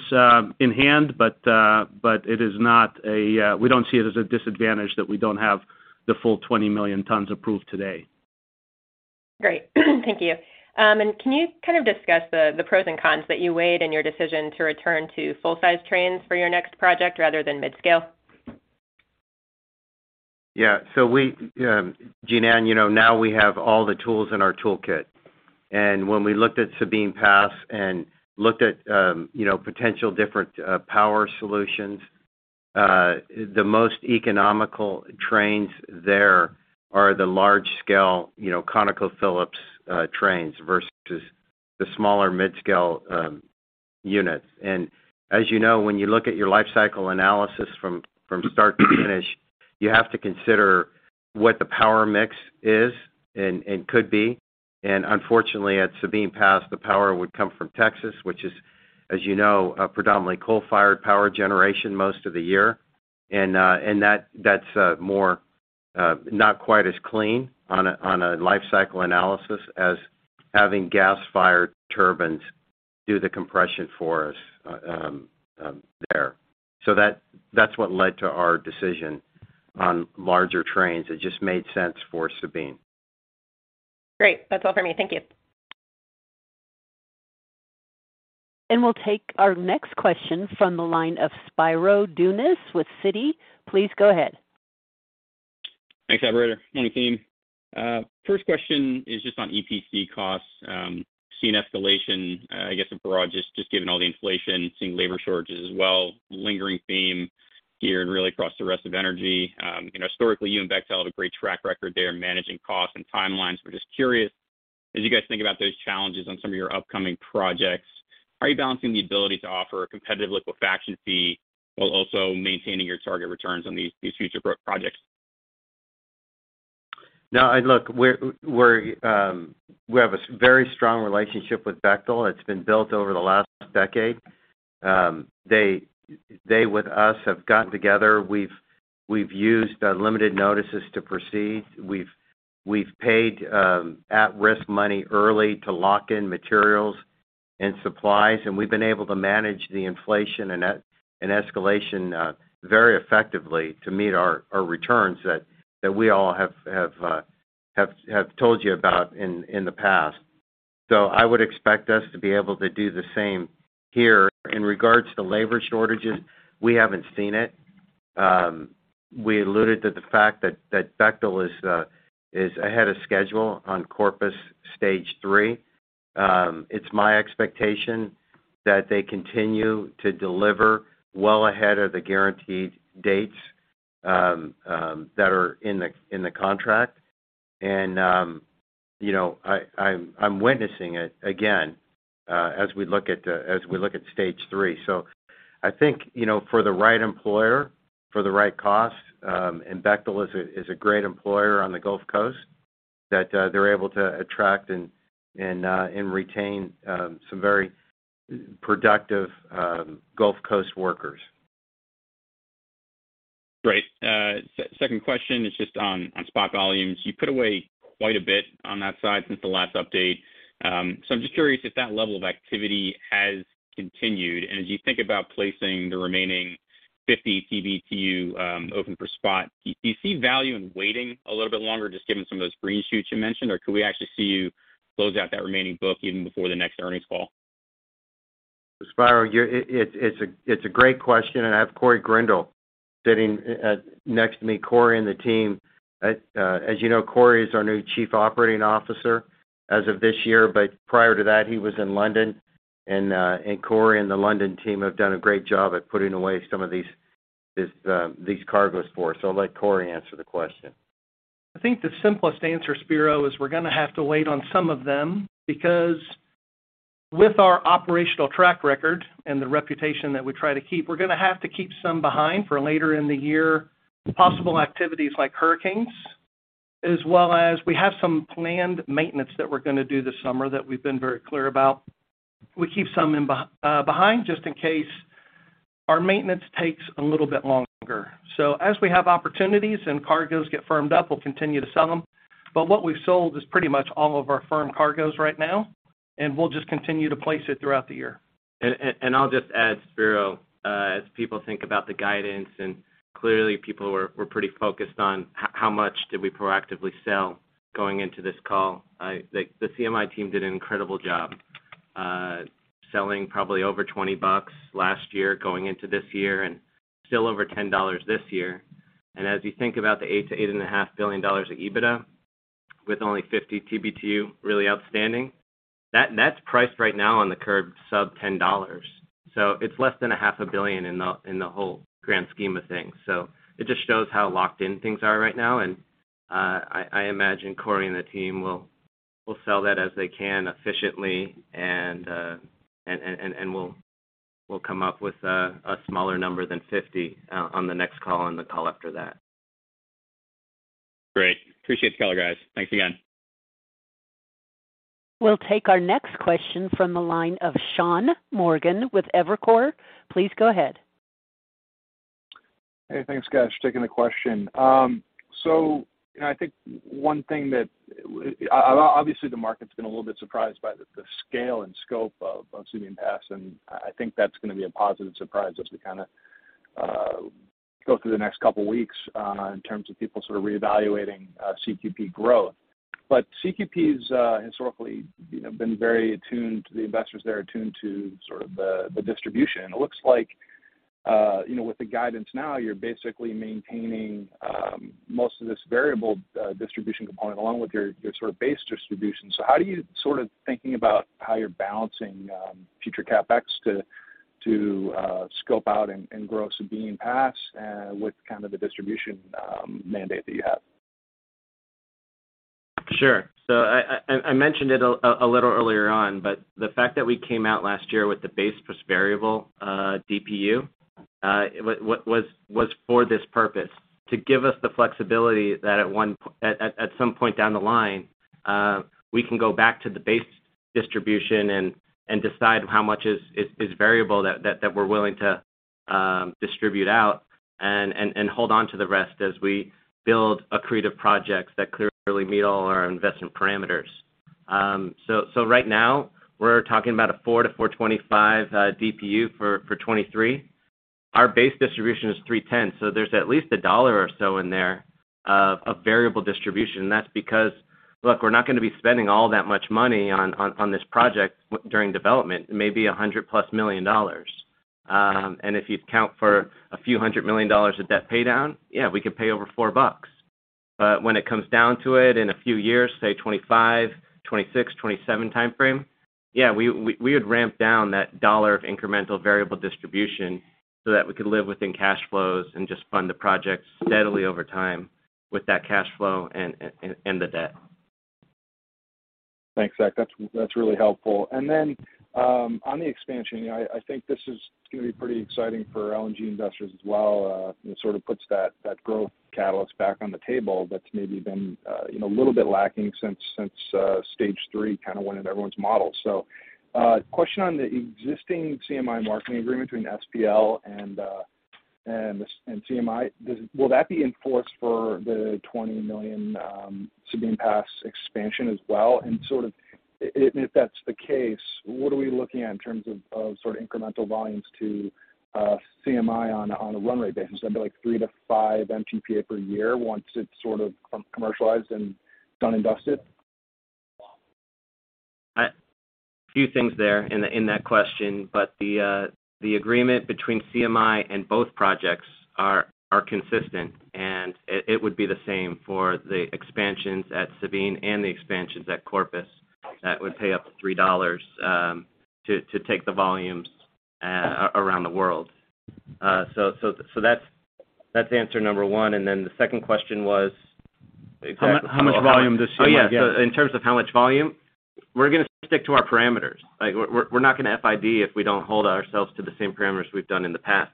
in hand, but it is not a. We don't see it as a disadvantage that we don't have the full 20 million tons approved today. Great. Thank you. Can you kind of discuss the pros and cons that you weighed in your decision to return to full-size trains for your next project rather than mid-scale? Yeah. We, Jeanann, you know, now we have all the tools in our toolkit. When we looked at Sabine Pass and looked at, you know, potential different power solutions, the most economical trains there are the large scale, you know, ConocoPhillips trains versus the smaller mid-scale units. As you know, when you look at your life cycle analysis from start to finish, you have to consider what the power mix is and could be. Unfortunately, at Sabine Pass, the power would come from Texas, which is, as you know, a predominantly coal-fired power generation most of the year. That's more not quite as clean on a life cycle analysis as having gas-fired turbines do the compression for us there. That's what led to our decision on larger trains. It just made sense for Sabine. Great. That's all for me. Thank you. We'll take our next question from the line of Spiro Dounis with Citi. Please go ahead. Thanks, operator. Good morning, team. First question is just on EPC costs. Seeing escalation, I guess abroad, just given all the inflation, seeing labor shortages as well, lingering theme here and really across the rest of energy. You know, historically, you and Bechtel have a great track record there in managing costs and timelines. We're just curious, as you guys think about those challenges on some of your upcoming projects, how are you balancing the ability to offer a competitive liquefaction fee while also maintaining your target returns on these future projects? Now, look, we have a very strong relationship with Bechtel. It's been built over the last decade. They with us have gotten together. We've used limited notices to proceed. We've paid at-risk money early to lock in materials and supplies, and we've been able to manage the inflation and escalation very effectively to meet our returns that we all have told you about in the past. I would expect us to be able to do the same here. In regards to labor shortages, we haven't seen it. We alluded to the fact that Bechtel is ahead of schedule on Corpus Stage three. It's my expectation that they continue to deliver well ahead of the guaranteed dates that are in the contract. You know, I'm witnessing it again as we look at stage three. I think, you know, for the right employer, for the right cost, and Bechtel is a great employer on the Gulf Coast, that they're able to attract and retain some very productive Gulf Coast workers. Great. second question is just on spot volumes. You put away quite a bit on that side since the last update. I'm just curious if that level of activity has continued. As you think about placing the remaining 50 TBtu open for spot, do you see value in waiting a little bit longer just given some of those green shoots you mentioned? Could we actually see you close out that remaining book even before the next earnings call? Spiro, it's a great question. I have Corey Grindal sitting next to me. Corey and the team. As you know, Corey is our new chief operating officer as of this year, but prior to that, he was in London. Corey and the London team have done a great job at putting away some of these cargos for us. I'll let Corey answer the question. I think the simplest answer, Spiro, is we're gonna have to wait on some of them because with our operational track record and the reputation that we try to keep, we're gonna have to keep some behind for later in the year, possible activities like hurricanes, as well as we have some planned maintenance that we're gonna do this summer that we've been very clear about. We keep some behind just in case our maintenance takes a little bit longer. As we have opportunities and cargos get firmed up, we'll continue to sell them. What we've sold is pretty much all of our firm cargos right now, and we'll just continue to place it throughout the year. I'll just add, Spiro, as people think about the guidance, and clearly people were pretty focused on how much did we proactively sell going into this call. Like, the CMI team did an incredible job, selling probably over $20 last year, going into this year, and still over $10 this year. As you think about the $8 billion-$8.5 billion of EBITDA with only 50 TBtu really outstanding, that's priced right now on the curb sub $10. It's less than a half a billion in the whole grand scheme of things. It just shows how locked in things are right now. I imagine Corey and the team will sell that as they can efficiently and will come up with a smaller number than 50 on the next call and the call after that. Great. Appreciate the color, guys. Thanks again. We'll take our next question from the line of Sean Morgan with Evercore. Please go ahead. Hey, thanks, guys, taking the question. you know, I think one thing that obviously the market's been a little bit surprised by the scale and scope of Sabine Pass, and I think that's gonna be a positive surprise as we kinda go through the next couple weeks in terms of people sort of reevaluating CQP growth. CQP's historically, you know, been very attuned to the investors. They're attuned to sort of the distribution. It looks like, you know, with the guidance now, you're basically maintaining most of this variable distribution component along with your sort of base distribution. How do you sort of thinking about how you're balancing future CapEx to scope out and grow Sabine Pass with kind of the distribution mandate that you have? Sure. I mentioned it a little earlier on, but the fact that we came out last year with the base plus variable DPU was for this purpose, to give us the flexibility that at some point down the line, we can go back to the base distribution and decide how much is variable that we're willing to distribute out and hold on to the rest as we build accretive projects that clearly meet all our investment parameters. Right now, we're talking about a four to 4.25 DPU for 2023. Our base distribution is $3.10, so there's at least $1 or so in there of variable distribution. That's because, look, we're not gonna be spending all that much money on this project during development. It may be $100+ million. If you account for a few hundred million dollars of debt paydown, yeah, we could pay over $4. When it comes down to it in a few years, say 2025, 2026, 2027 timeframe, yeah, we would ramp down that $1 of incremental variable distribution so that we could live within cash flows and just fund the projects steadily over time with that cash flow and the debt. Thanks, Zach. That's really helpful. On the expansion, you know, I think this is gonna be pretty exciting for LNG investors as well. It sort of puts that growth catalyst back on the table that's maybe been, you know, a little bit lacking since stage three kind of went in everyone's model. Question on the existing CMI marketing agreement between SPL and CMI. Will that be in force for the 20 million Sabine Pass expansion as well? Sort of if that's the case, what are we looking at in terms of sort of incremental volumes to CMI on a run rate basis? Is that be like 3 to 5 MTPA per year once it's sort of commercialized and done and dusted? A few things there in that question, but the agreement between CMI and both projects are consistent, and it would be the same for the expansions at Sabine and the expansions at Corpus that would pay up to $3 to take the volumes around the world. That's answer number one. The second question was exactly. How much volume does CMI get? Oh, yeah. In terms of how much volume, we're gonna stick to our parameters. We're not gonna FID if we don't hold ourselves to the same parameters we've done in the past.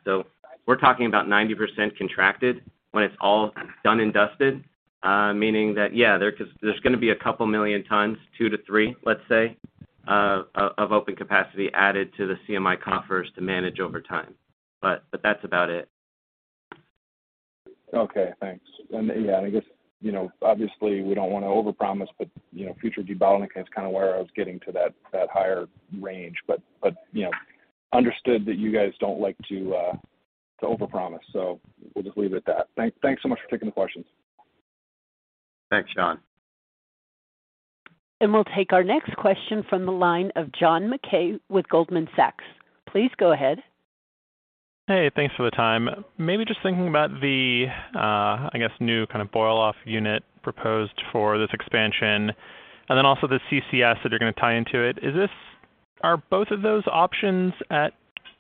We're talking about 90% contracted when it's all done and dusted, meaning that, yeah, there's gonna be a couple million tons, two-three, let's say, of open capacity added to the CMI coffers to manage over time. That's about it. Okay. Thanks. Yeah, I guess, you know, obviously, we don't wanna overpromise, but, you know, future debottleneck is kinda where I was getting to that higher range. But, you know, understood that you guys don't like to overpromise. We'll just leave it at that. Thanks so much for taking the questions. Thanks, Sean. We'll take our next question from the line of John Mackay with Goldman Sachs. Please go ahead. Hey, thanks for the time. Maybe just thinking about the, I guess, new kind of boil off unit proposed for this expansion, and then also the CCS that you're gonna tie into it. Are both of those options at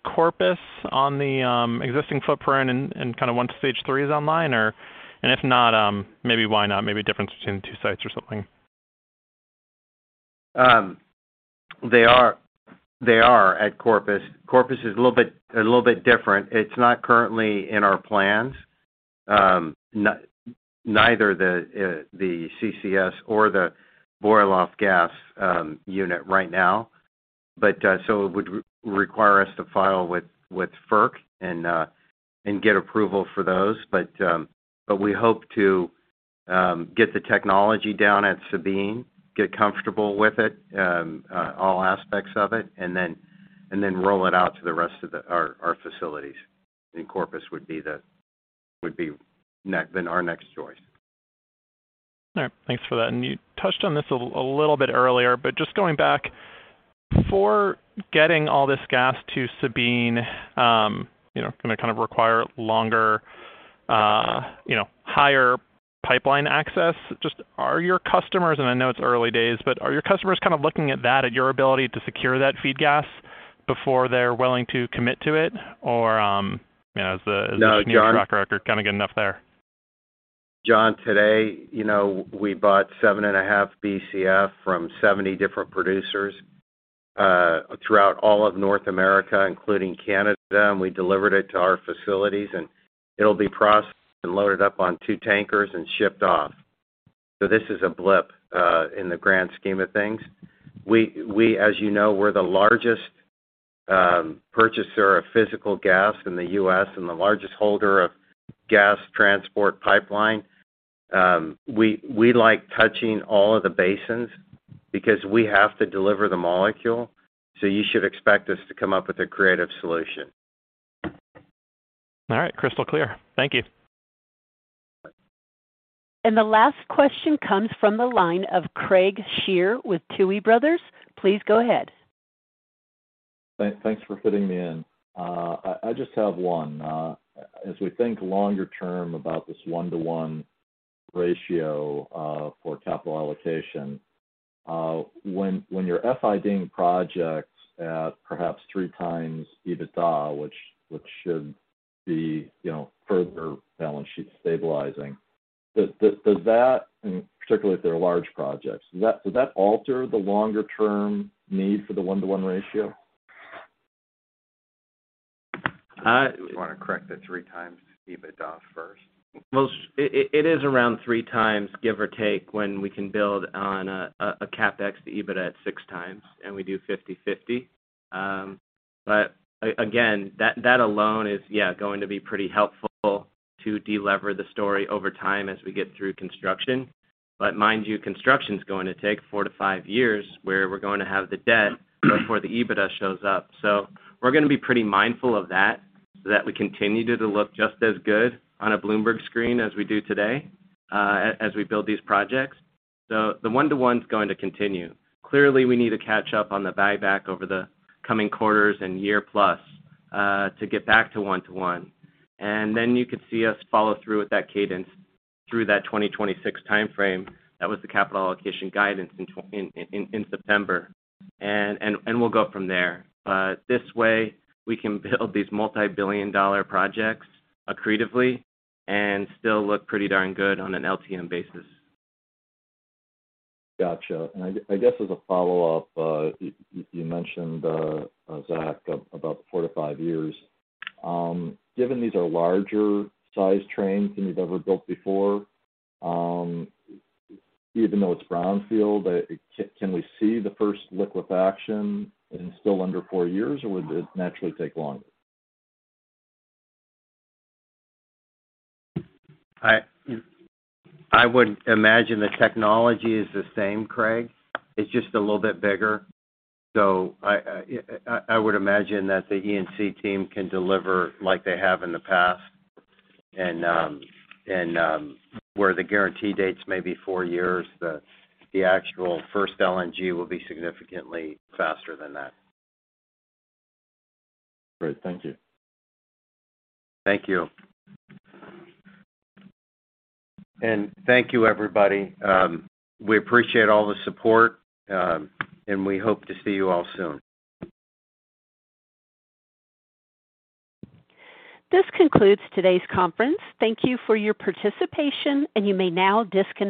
Corpus on the existing footprint and kinda once Stage 3 is online? If not, maybe why not? Maybe a difference between the two sites or something. They are at Corpus. Corpus is a little bit different. It's not currently in our plans, neither the CCS or the boil off gas unit right now. It would require us to file with FERC and get approval for those. We hope to get the technology down at Sabine, get comfortable with it, all aspects of it, and then roll it out to the rest of our facilities. Corpus would be then our next choice. All right. Thanks for that. You touched on this a little bit earlier, but just going back. Before getting all this gas to Sabine, you know, gonna kind of require longer, you know, higher pipeline access. Just are your customers, and I know it's early days, but are your customers kind of looking at that, at your ability to secure that feed gas before they're willing to commit to it? Or, you know. No, John.... track record kind of good enough there? John, today, you know, we bought 7.5 BCF from 70 different producers throughout all of North America, including Canada. We delivered it to our facilities. It'll be processed and loaded up on 2 tankers and shipped off. This is a blip in the grand scheme of things. As you know, we're the largest purchaser of physical gas in the U.S. The largest holder of gas transport pipeline. We like touching all of the basins because we have to deliver the molecule. You should expect us to come up with a creative solution. All right. Crystal clear. Thank you. The last question comes from the line of Craig Shere with Tuohy Brothers. Please go ahead. Thanks for fitting me in. I just have one. As we think longer term about this one-to-one ratio for capital allocation, when you're FID-ing projects at perhaps three times EBITDA, which should be, you know, further balance sheet stabilizing, does that and particularly if they're large projects, does that alter the longer term need for the one-to-one ratio? Do you wanna correct the three times to EBITDA first? Well, it is around 3 times, give or take, when we can build on a CapEx to EBITDA at 6 times, and we do 50/50. again, that alone is, yeah, going to be pretty helpful to delever the story over time as we get through construction. Mind you, construction's going to take four-five years, where we're going to have the debt before the EBITDA shows up. We're gonna be pretty mindful of that, so that we continue to look just as good on a Bloomberg screen as we do today, as we build these projects. The one-one's going to continue. Clearly, we need to catch up on the buyback over the coming quarters and year plus, to get back to one-one. You could see us follow through with that cadence through that 2026 timeframe. That was the capital allocation guidance in September. We'll go up from there. This way we can build these multi-billion dollar projects accretively and still look pretty darn good on an LTM basis. Gotcha. I guess as a follow-up, you mentioned, Zach, about the four-five years. Given these are larger size trains than you've ever built before, even though it's brownfield, can we see the first liquefaction in still under 4 years, or would it naturally take longer? I would imagine the technology is the same, Craig. It's just a little bit bigger. I would imagine that the EPC team can deliver like they have in the past. Where the guarantee dates may be four years, the actual first LNG will be significantly faster than that. Great. Thank you. Thank you. Thank you, everybody. We appreciate all the support, and we hope to see you all soon. This concludes today's conference. Thank you for your participation, and you may now disconnect.